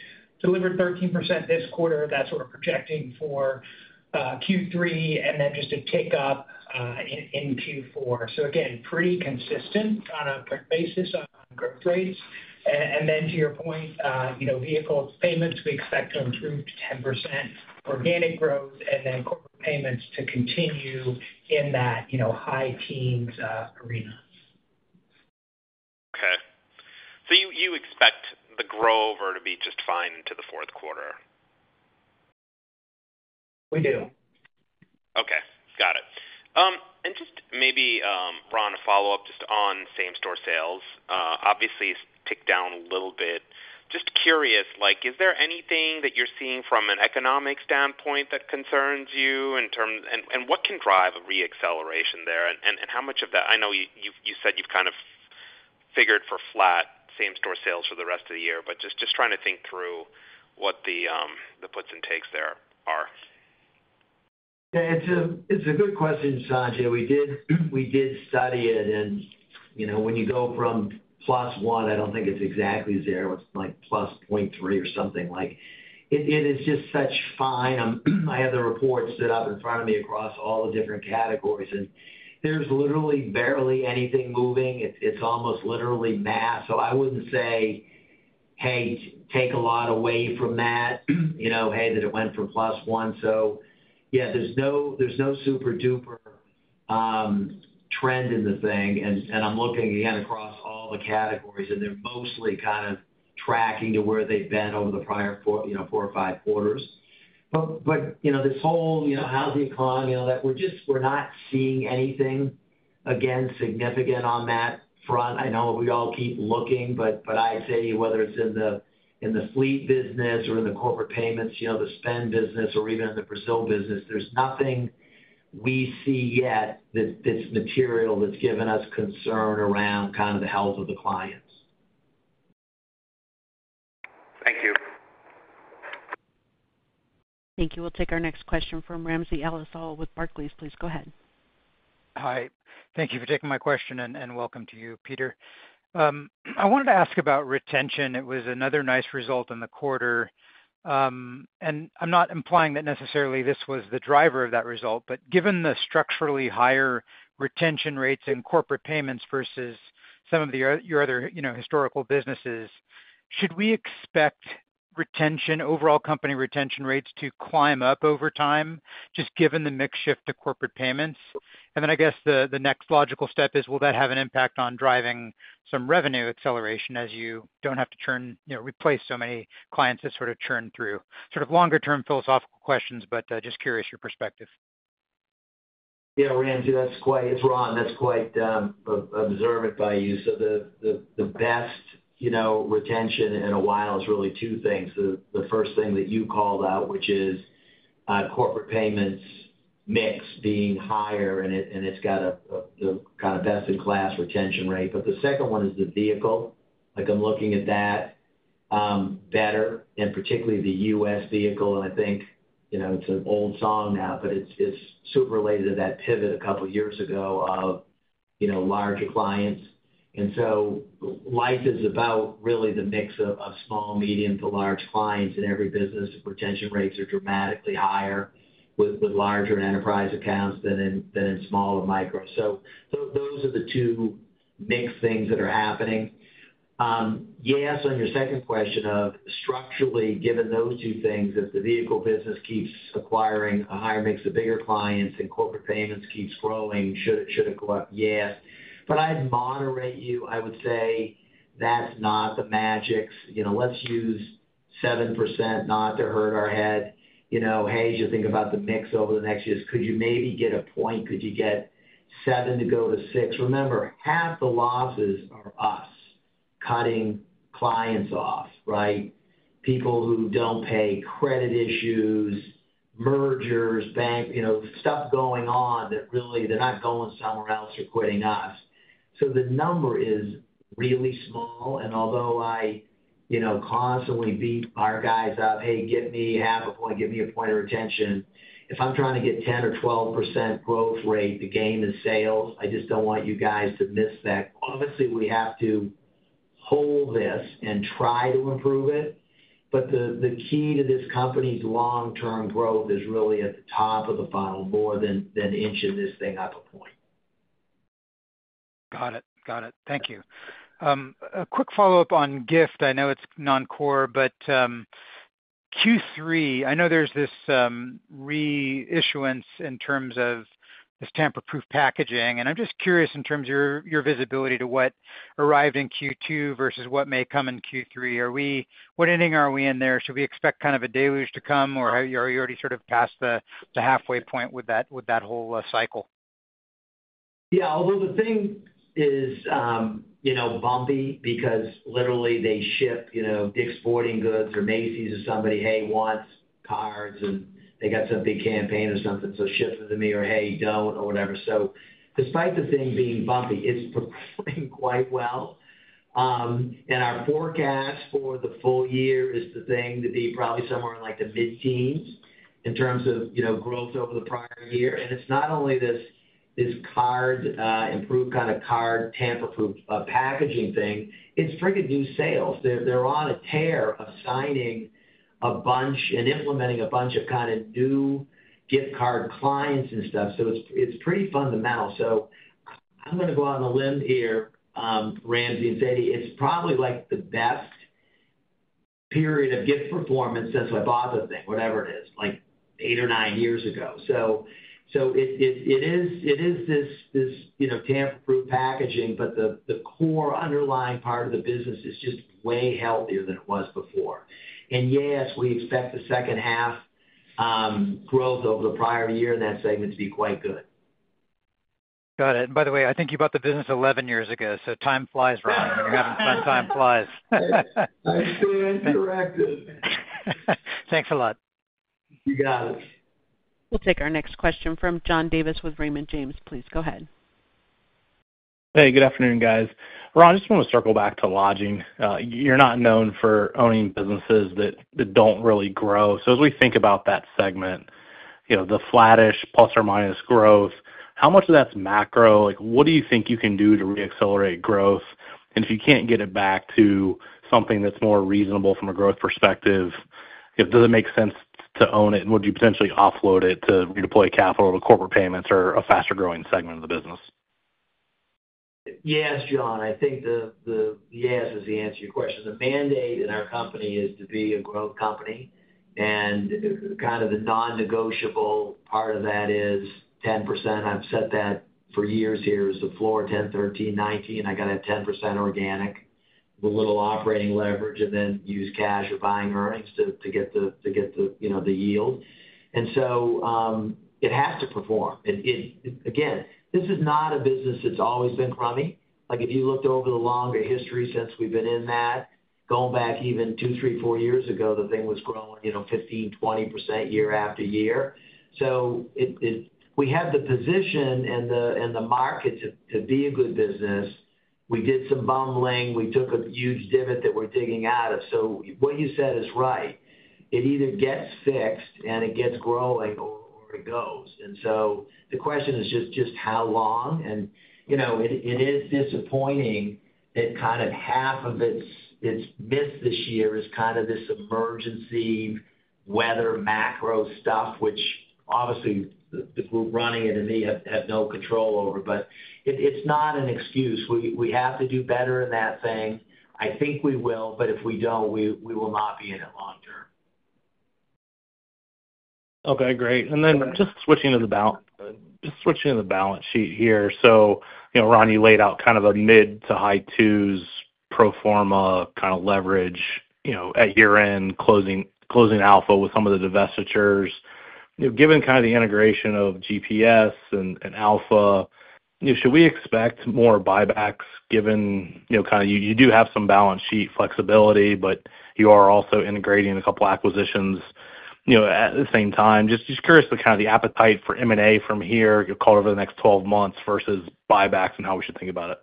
Delivered 13% this quarter. That's what we're projecting for Q3 and then just a tick up in Q4. Again, pretty consistent on a basis on growth rates. To your point, no vehicle payments. We expect to improve 10% organic growth and then payments to continue in that high teens arena. Okay, so you expect the growth to be just fine into the fourth quarter? We do. Okay, got it. Just maybe Ron, a follow up just on same store sales. Obviously it's ticked down a little bit. Just curious, is there anything that you're seeing from an economic standpoint that concerns you in terms of what can drive a re-acceleration there and how much of that? I know you said you've kind of figured for flat same store sales for the rest of the year, but just trying to think through what the puts and takes there are. It's a good question, Sanjay. We did study it. When you go from plot one, I don't think it's exactly zero. It's like +0.3 or something like that. It is just such fine. I have the reports stood up in front of me across all the different categories and there's literally barely anything moving. It's almost literally mass. I wouldn't say, hey, take a lot away from that, you know, that it went from +1. There's no super dupe trend in the thing. I'm looking again across all the categories and they're mostly kind of tracking to where they've been over the prior four or five quarters. You know, this whole, you knowHousing economy, all that, we're just not seeing anything again significant on that front. I know we all keep looking, but I tell you, whether it's in the fleet business or in the corporate payments, you know, the spend business or even the Brazil business, there's nothing we see yet that's material that's given us concern around kind of the health of the client. Thank you. Thank you. We'll take our next question from Ramsey El-Assal with Barclays. Please go ahead. Hi. Thank you for taking my question and welcome to you, Peter. I wanted to ask about retention. It was another nice result in the quarter. I'm not implying that necessarily this was the driver of that result, but given the structurally higher retention rates in corporate payments versus some of your other historical businesses, should we expect retention, overall company retention rates, to climb up over time just given the mix shift to corporate payments? I guess the next logical step is will that have an impact on driving some revenue acceleration as you don't have to replace so many clients that sort of churn through. Sort of longer term philosophical questions, but just curious your perspective. Yeah, Ramsey, that's quite, it's Ron, that's quite observant by you. The best retention in a while is really two things. The first thing that you called out, which is corporate payments mix being higher and it's got a kind of best in class retention rate. The second one is the vehicle, like I'm looking at that better and particularly the U.S. vehicle. I think it's an old song now, but it's related to that pivot a couple years ago of larger clients. Life is about really the mix of small, medium to large clients. In every business, the retention rates are dramatically higher with larger enterprise accounts than in small and micro. Those are the two mixed things that are happening. You asked on your second question of structurally given those two things, if the vehicle business keeps acquiring a higher, the bigger clients and corporate payments keeps growing, should it go up yet. I'd moderate you, I would say that not the magics, let's use 7% not to hurt our head, hey, as you think about the mix over the next years, could you maybe get a point? Could you get seven to go to six? Remember half the losses are us cutting clients off. People who don't pay, credit issues, mergers, bank, stuff going on that really they're not going somewhere else, they're quitting us. The number is really small. Although I constantly beat our guys up, hey, get me half a point, give me a point of retention. If I'm trying to get 10 or 12% growth rate to gain the sales, I just don't want you guys to miss that. Obviously we have to hold this and try to improve it. The key to this company long term growth is really at the top of the bottle more than inching this thing up a point. Got it, got it. Thank you. A quick follow up on gift. I know it's non-core, but Q3, I know there's this re-issuance in terms of this tamper-proof packaging, and I'm just curious in terms of your visibility to what arrived in Q2 versus what may come in Q3. Are we, what inning are we in there? Should we expect kind of deluge to come, or are you already sort of past the halfway point with that whole cycle? Yeah, although the thing is, you know, bumpy because literally they ship, you know, Dick's Sporting Goods or Macy's or somebody, hey, wants cards and they got some big campaign or something, so ship to me or hey, don't or whatever. Despite the thing being bumpy, it's performing quite well. Our forecast for the full year is the thing to be probably somewhere like the mid-teens in terms of growth over the prior year. It's not only this card improved kind of card tamper-proof packaging thing. It's freaking new sales. They're on a tear assigning a bunch and implementing a bunch of kind of new gift card clients and stuff. It's pretty fundamental. I'm going to go on a limb here, Ramsey and Zadie. It's probably like the best period of gift performance since I bought the thing, whatever it is, like eight or nine years ago. It is this tampered packaging, but the core underlying part of the business is just way healthier than it was before. Yes, we expect the second half growth over the prior year in that segment to be quite good. Got it. By the way, I think you bought the business 11 years ago. Time flies, Ron, when you're having fun, time flies. I see. Correct it. Thanks a lot. You got it. We'll take our next question from John Davis with Raymond James. Please go ahead. Hey, good afternoon, guys. Ron, I just want to circle back to lodging. You're not known for owning businesses that don't really grow. As we think about that segment, the flattish plus or minus growth, how much of that's macro? What do you think you can do to re-accelerate growth? If you can't get it back to something that's more reasonable from a growth perspective, does it make sense to own it? Would you potentially offload it to redeploy capital to corporate payments or a faster growing segment of the business? Yes, John, I think the yes is the answer to your question. The mandate in our company is to be a growth company and the non-negotiable part of that is 10%. I've set that for years. Here is the floor: 10, 13, 19. I gotta have 10% organic, a little operating leverage, and then use cash or buying earnings to get the yield. It has to perform. This is not a business that's always been crummy. If you looked over the longer history since we've been in that, going back even 2, 3, 4 years ago, the thing was growing 15, 20% year after year. We had the position and the market to be a good business. We did some bumbling, we took a huge divot that we're digging out of. What you said is right, it either gets fixed and it gets growing. The question is just how long. It is disappointing that kind of half of its miss this year is this emergency weather macro stuff, which obviously the group running it and me have no control over. It's not an excuse, we have to do better in that thing. I think we will, but if we don't, we will not be in it long term. Okay, great. Switching to the balance sheet here, Ron, you laid out kind of a mid to high twos pro forma kind of leverage at year end, closing Alpha with some of the divestitures. You know, given kind of the integration of GPS and Alpha, should we expect more buybacks given, you know, kind of, you do have some balance sheet flexibility but you are also integrating a couple acquisitions at the same time. Just curious, the kind of the appetite for M&A from here, call it over the next 12 months versus buybacks and how we should think about it.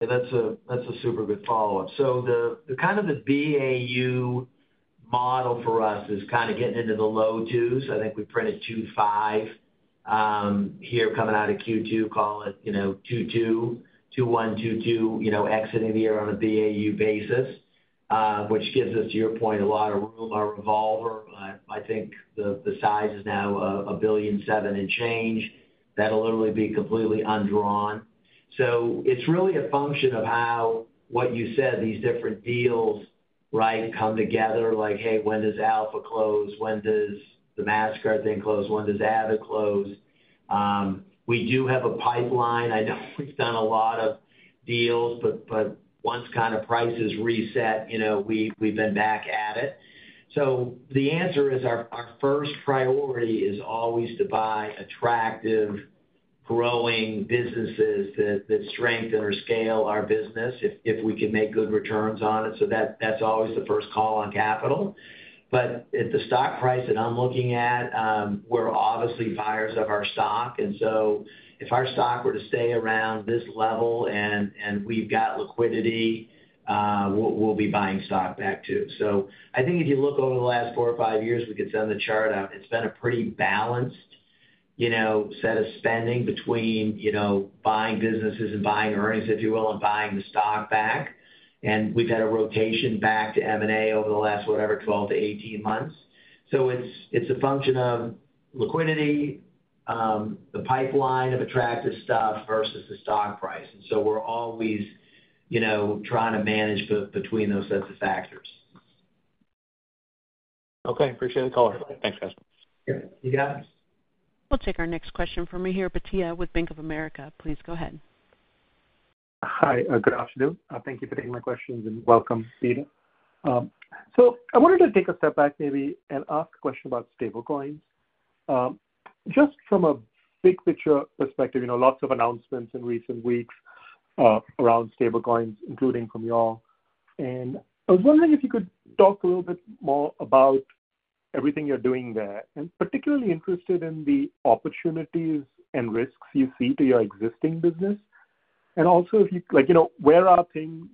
That's a super good follow up. The kind of the BAU model for us is kind of getting into the low twos. I think we printed 2.5 here coming out of Q2. Call it, you know, 2.2, 2.1, 2.2, you know, exiting the year on a BAU basis, which gives us, to your point, a lot of room. Our revolver, I think the size is now $1.7 billion and change. That'll literally be completely undrawn. It's really a function of how, what you said, these different deals, right, come together. Like, hey, when does Alpha close? When does the Mastercard thing close? When does Abbott close? We do have a pipeline. I don't put down a lot of deals but once kind of prices reset, you know, we've been back at it. The answer is our first priority is always to buy attractive, growing businesses that strengthen or scale our business if we can make good returns on it. That's always the first call on capital. At the stock price that I'm looking at, we're obviously buyers of our stock. If our stock were to stay around this level and we've got li, we'll be buying stock back too. If you look over the last four or five years, we could send the chart out. It's been a pretty balanced set of spending between buying businesses and buying earnings, if you will, and buying the stock back. We've had a rotation back to M&A over the last, whatever, 12-18 months. It's a function of liquidity, the pipeline of attractive stuff versus the stock price. We're all leading, you know, trying to manage between those sets of factors. Okay, appreciate the caller. Thanks guys. You got. We'll take our next question from Meher Patia with Bank of America, please go ahead. Hi, good afternoon. Thank you for taking my questions and welcome, Stephen. I wanted to take a step back maybe and ask a question about stablecoin just from a big picture perspective. You know, lots of announcements in recent weeks around stablecoins including Circle and I was wondering if you could talk a little bit more about everything you're doing there and particularly interested in the opportunities and risks you see to your existing business. Also, if you like, you know, where are things,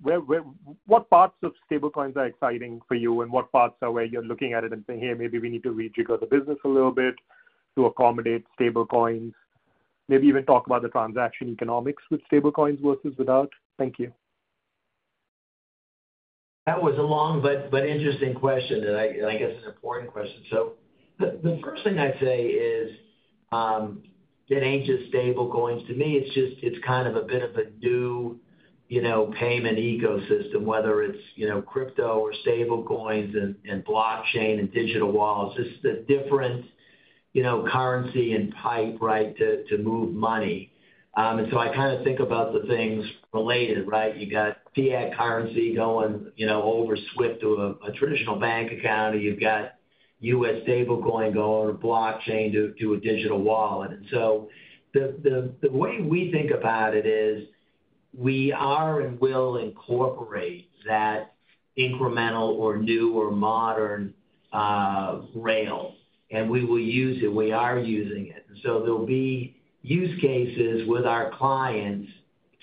what parts of stablecoins are exciting for you and what parts are where you're looking at it and saying, hey, maybe we need to rethink the business a little bit to accommodate stablecoins, maybe even talk about the transaction economics with stablecoins versus without. Thank you. That was a long but interesting question that I guess is an important question. The first thing I'd say is in ancient stablecoins, to me it's just, it's kind of a bit of a new payment ecosystem. Whether it's crypto or stablecoins and blockchain and digital wallets, it's the difference, you know, currency and pipe, right, to move money. I kind of think about the things related, right, you got fiat currency going over SWIFT to a traditional bank account or you've got a stablecoin going to blockchain to a digital wallet. The way we think about it is we are and will incorporate that incremental or new or modern rail and we will use it. We are using it. There'll be use cases with our clients.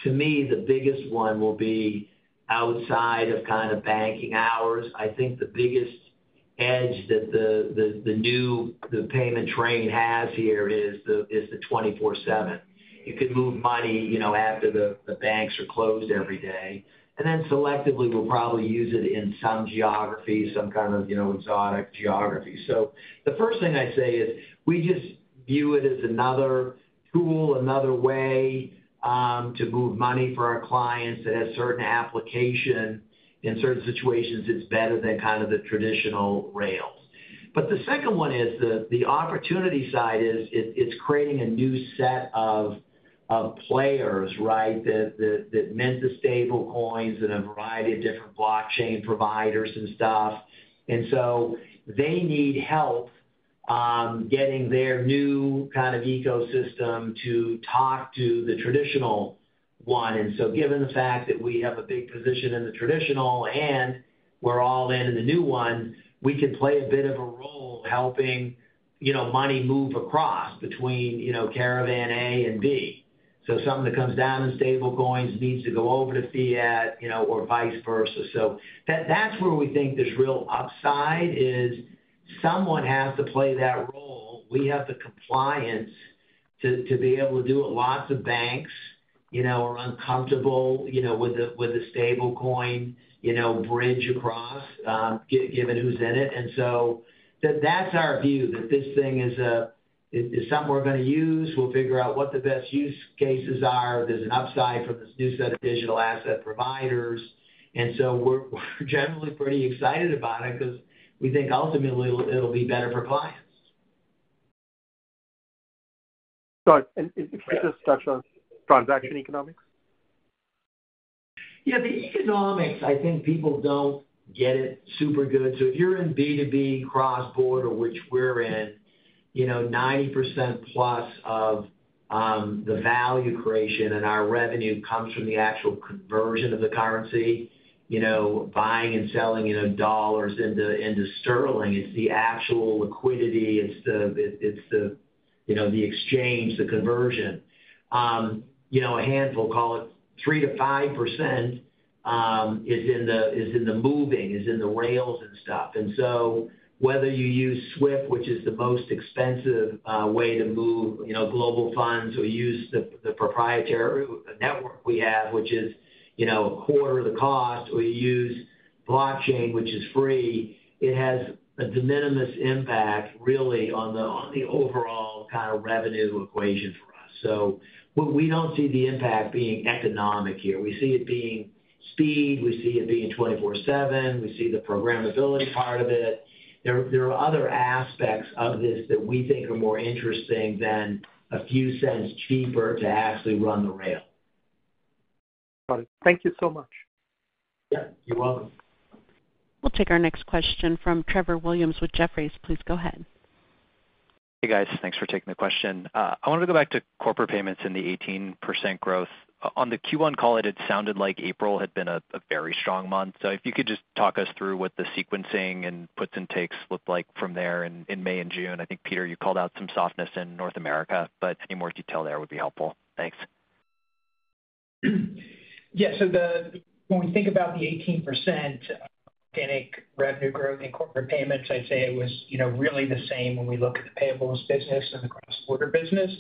To me, the biggest one will be outside of kind of banking hours. I think the biggest edge that the new payment train has here is the 24/7. You can move money after the banks are closed every day. Selectively, we'll probably use it in some geography, some kind of, you know, exotic geography. The first thing I say is we just view it as another tool, another way to move money for our clients that has certain application in certain situations. It's better than kind of the traditional rail. The opportunity side is it's creating a new set of players, right, that mint the stablecoins and a variety of different blockchain providers and stuff. They need help getting their new kind of ecosystem to talk to the traditional one. Given the fact that we have a big position in the traditional and we're all in, in the new one, we can play a bit of a role helping, you know, money move across between, you know, caravan A and B. Something that comes down in stablecoins needs to go over to fiat or vice versa. That's where we think there's real upside is someone has to play that role. We have the compliance to be able to do it. Lots of banks are uncomfortable with the stablecoin bridge across given who's in it. That's our view that this thing is something we're going to use. We'll figure out what the best use cases are. There's an upside from this new set of digital asset providers. We're generally pretty excited about it because we think ultimately it'll be better for clients. Sorry. If you could just touch on transaction economics. Yeah, the economics, I think people don't get it. Super good. If you're in B2B cross border, which we're in, 90%+ of the value creation and our revenue comes from the actual conversion of the currency, buying and selling dollars into sterling, the actual liquidity and it's the exchange, the conversion. A handful, call it 3%-5%, is in the moving, is in the rails and stuff. Whether you use SWIFT, which is the most expensive way to move global funds, or use the proprietary network we have, which is a quarter of the cost, or you use blockchain, which is free, it has a de minimis impact really on the overall kind of revenue equation. We don't see the impact being economic here. We see it being speed, we see it being 24/7. We see the programmability part of it. There are other aspects of this that we think are more interesting than a few cents cheaper to actually run the rail. Thank you so much. You're welcome. We'll take our next question from Trevor Williams with Jefferies. Please go ahead. Hey guys, thanks for taking the question. I wanted to go back to corporate payments and the 18% growth on the Q1 call. It sounded like April had been a very strong month. If you could just talk us through what the sequencing and puts and takes looked like from there in May and June, that would be helpful. I think, Peter, you called out some softness in North America, but any more detail there would be helpful. Thanks. Yeah. So the. When we think about the 18% organic revenue growth in corporate payments, I'd say it was really the same when we look at the payables business and the cross border business.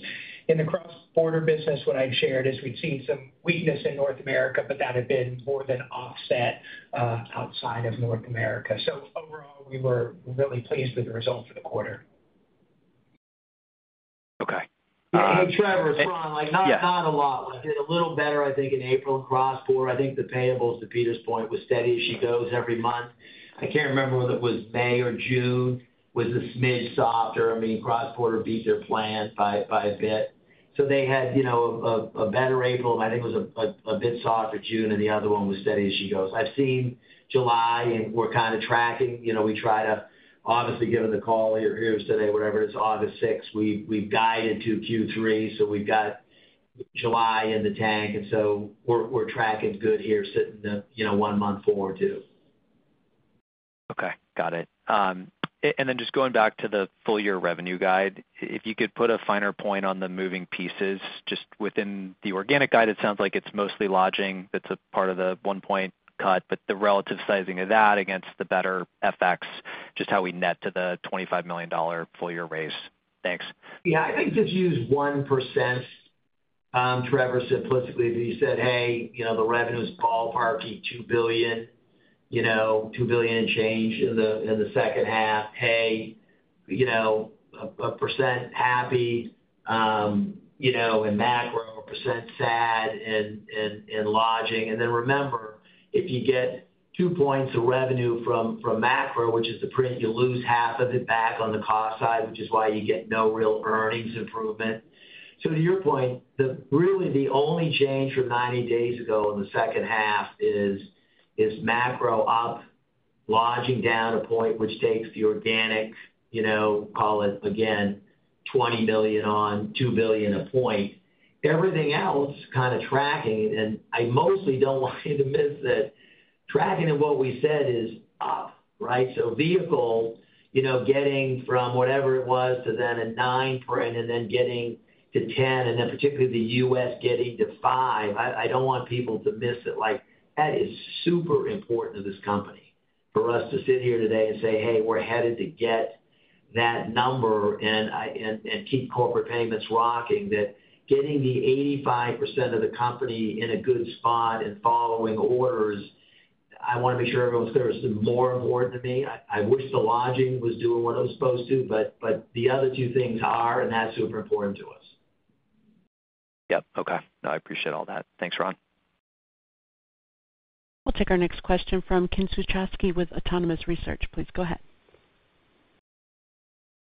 In the cross border business, what I'd shared is we'd seen some weakness in North America, but that had been more than offset outside of North America. Overall, we were really pleased with the results for the quarter. Trevor, it's wrong. Not a lot. I did a little better, I think, in April across four. I think the payables, to Peter's point, was steady. She goes every month. I can't remember when it was, May or June was a smidge softer. I mean, cross border beat their plan by a bit. They had, you know, a better April. I think it was a bit soft at June, and the other one was steady as she goes. I've seen July, and we're kind of tracking. We try to obviously give it the call. Here's today, whatever. It's August 6th. We guided to Q3, so we've got July in the tank, and so we're tracking good here, sitting the one month four, two. Okay, got it. Then just going back to the full year revenue guide, if you could put a finer point on the moving pieces just within the organic guide. It sounds like it's mostly lodging. That's a part of the one point cut, but the relative sizing of that against the better FX, just how we net to the $25 million full year raise. Thanks. Yeah, I think just use 1%. Trevor simplistically, he said, hey, you know, the revenue is ballparky $2 billion, you know, $2 billion and change in the second half. Hey, you know, a percent happy, you know, and macro percent sad and lodging. Remember, if you get two points of revenue from macro, which is the print, you lose half of it back on the cost side, which is why you get no real earnings improvement. To your point, really the only change from 90 days ago in the second half is macro up, lodging down a point, which takes the organic, you know, call it again $20 billion on $2 billion a point. Everything else kind of tracking. I mostly don't want you to miss that tracking of what we said is off. Right. Vehicle, you know, getting from whatever it was to then a 9 print and then getting to 10 and then particularly the U.S. getting to 5. I don't want people to miss it. That is super important to this company for us to sit here today and say, hey, we're headed to get that number and keep corporate payments rocking that. Getting the 85% of the company in a good spot and following order. I want to make sure everyone's clear it's more important than me. I wish the lodging was doing what I'm supposed to, but the other two things are and that's super important to us. Yep. Okay, I appreciate all that. Thanks, Ron. We'll take our next question from Ken Suchoski with Autonomous Research. Please go ahead.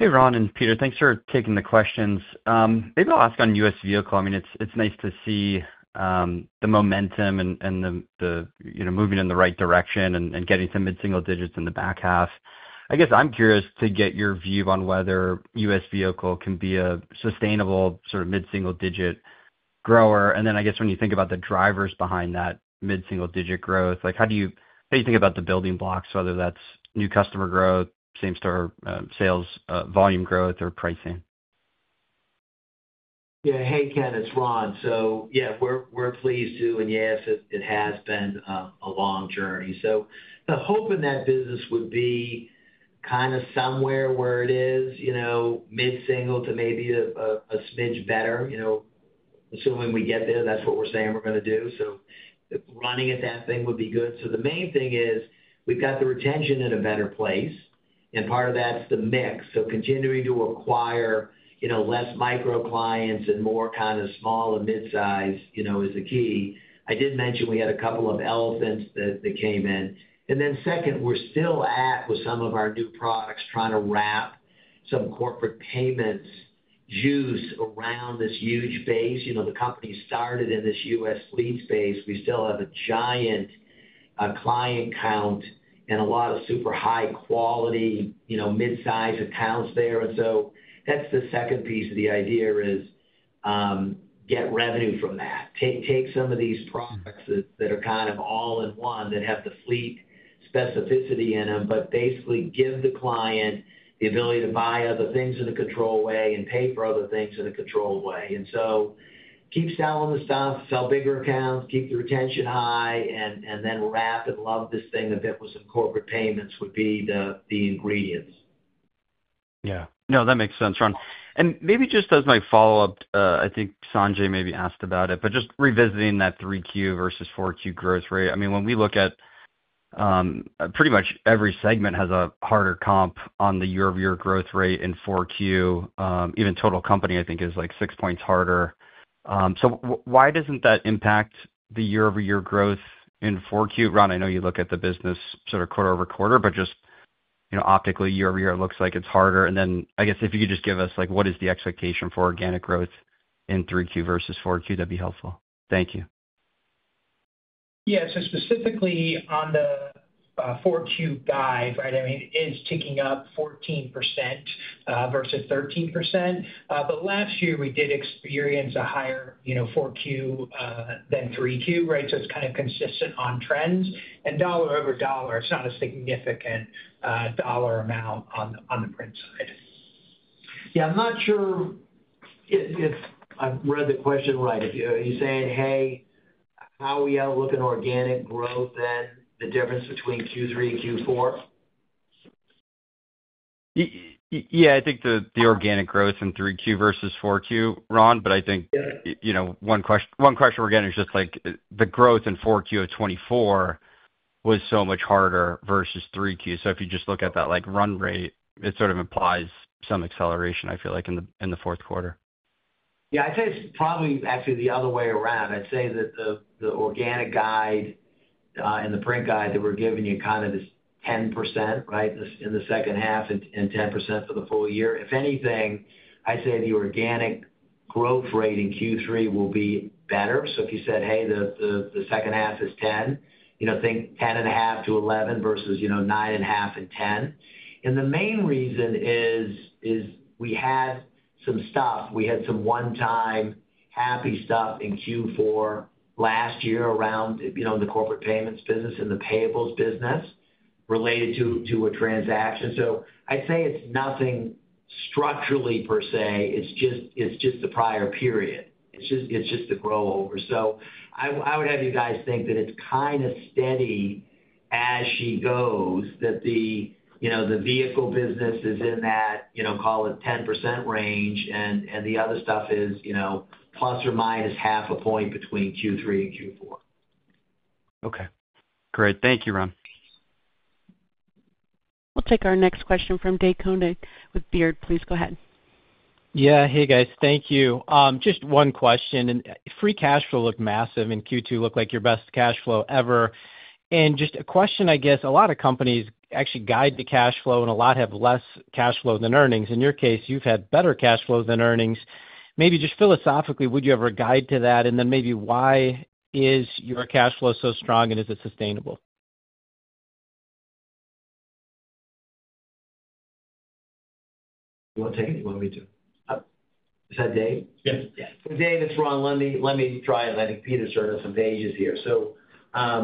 Hey Ron and Peter, thanks for taking the questions. Maybe I'll ask on U.S. vehicle. I mean it's nice to see the momentum and moving in the right direction and getting some mid single digits in the back half. I guess I'm curious to get your view on whether U.S. vehicle can be a sustainable mid single digit grower. When you think about the drivers behind that mid single digit growth, how do you think about the building blocks? Whether that's new customer growth, same store sales, volume growth or pricing. Yeah. Hey Ken, it's Ron. Yeah, we're pleased to and yes, it has been a long journey. The hope in that business would be kind of somewhere where it is, you know, mid single to maybe a smidge better. You know, assuming we get there, that's what we're saying we're going to do. Running at that thing would be good. The main thing is we've got the retention in a better place. Part of that is the mix of continuing to acquire, you know, less micro clients and more kind of small and mid size, you know, is the key. I did mention we had a couple of elephants that came in. Second, we're still at with some of our new products trying to wrap some corporate payments used around this huge base. The company started in this U.S. lean space. We still have a giant client count and a lot of super high quality, you know, mid size accounts there. That's the second piece of the idea is get revenue from that. Take some of these products that are kind of all in one that have the fleet specificity in them but basically give the client the ability to buy other things in the control way and pay for other things in a controlled way. Keep selling the stuff, sell bigger accounts, keep the retention high and then rapid love this thing that was a corporate payments would be the ingredients. Yeah, no, that makes sense Ron. Maybe just as my follow up, I think Sanjay maybe asked about it. Just revisiting that 3Q versus 4Q growth rate, I mean when we look at pretty much every segment has a harder comp on the year over year growth rate in 4Q even total company I think is like 6 points harder. Why doesn't that impact the year over year growth in 4Q? Ron, I know you look at the business sort of quarter over quarter but just optically year over year it looks like it's harder. If you could just give us what is the expectation for organic growth in 3Q versus 4Q that'd be helpful. Thank you. Yeah. Specifically on the 4Q guide, it is ticking up 14% versus 13%, but last year we did experience a higher 4Q than 3.2. Right. It's kind of consistent on trends and dollar over dollar. It's not a significant dollar amount on the print side, yeah, I'm not sure if I read the question right. Are you saying, hey, how we outlook in organic growth, the difference between Q3 and Q4? Yeah, I think the organic growth in 3Q versus 4Q, Ron. I think one question we're getting is just like the growth in 4Q of 2024 was so much harder versus 3Q. If you just look at that run rate, it sort of implies some acceleration. I feel like in the fourth quarter. I think it's probably actually the other way around. I'd say that the organic guide and the print guide that we're giving you, kind of this 10% right, in the second half and 10% for the full year, if anything. I say the organic growth rate in Q3 will be better. If you said, hey, the second half is 10, think 10.5% to 11% versus 9.5% and 10%. The main reason is we have some stuff. We had some one-time happy stuff in Q4 last year around the corporate payments business and the payables business related to a transaction. So.I say it's nothing structurally per se, it's just the prior period, it's just the grow over. I would have you guys think that it's kind of steady as she goes, that the, you know, the vehicle business is in that, you know, call it 10% range. The other stuff is, you know, plus or minus half a point between Q3 and Q4. Okay, great. Thank you, Ron. We'll take our next question from Dave Koning with Jefferies. Please go ahead. Yeah, hey guys. Thank you. Just one question. Free cash flow looked massive, and Q2 looked like your best cash flow ever. Just a question. I guess a lot of companies actually guide the cash flow a lot have less cash flow than earnings. In your case, you've had better cash flow than earnings. Maybe just philosophically, would you ever guide to that? Maybe why is your cash flow so strong? Is it sustainable? You want to take it? You want me to. Is that Dave? Dave, it's Ron. Let me try. Athletic Peter, sort of some days here. There are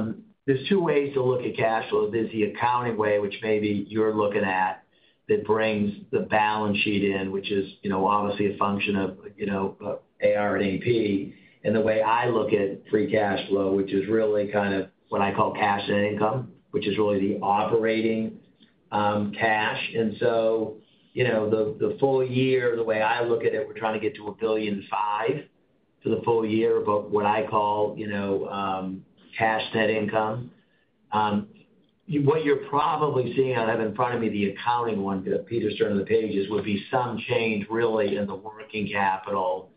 two ways to look at cash flow. There is the accounting way, which maybe you're looking at, that brings the balance sheet in, which is obviously a function of AR and AP. The way I look at free cash flow, which is really kind of what I call cash income, is really the operating cash. For the full year, the way I look at it, we're trying to get to $1.5 billion for the full year. What I call cash net income, what you're probably seeing out in front of me, the accounting one. Peter's turn on the pages would be some change, really, in the working capital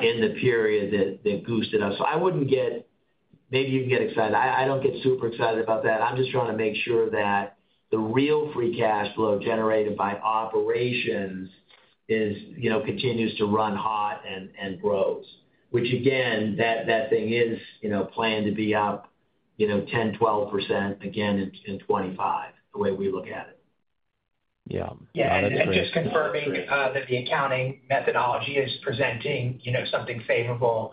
in the period that boosted us. I wouldn't get—maybe you can get excited. I don't get super excited about that. I'm just trying to make sure that the real free cash flow generated by operations continues to run hot and grows, which again, that thing is planned to be up 10%, 12% again in 2025. The way we look at it. Yeah, yeah. Just confirming that the accounting methodology is presenting something favorable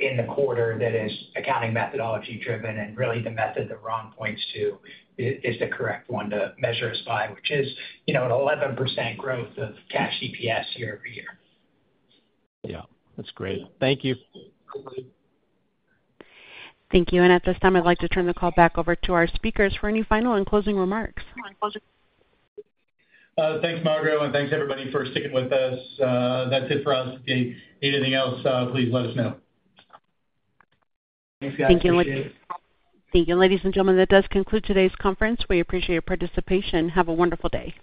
in the quarter that is accounting methodology driven. Really the method that Ron points to is the correct one to measure aside, which is, you know, an 11% growth of cash EPS year over year. Yeah, that's great. Thank you. Thank you. At this time, I'd like to turn the call back over to our speakers for any final and closing remarks. Thanks, Margo. Thanks everybody for sticking with us. That's it for us. Anything else, please let us know. Thanks, guys. Thank you. Thank you, ladies and gentlemen. That does conclude today's conference. We appreciate your participation. Have a wonderful day.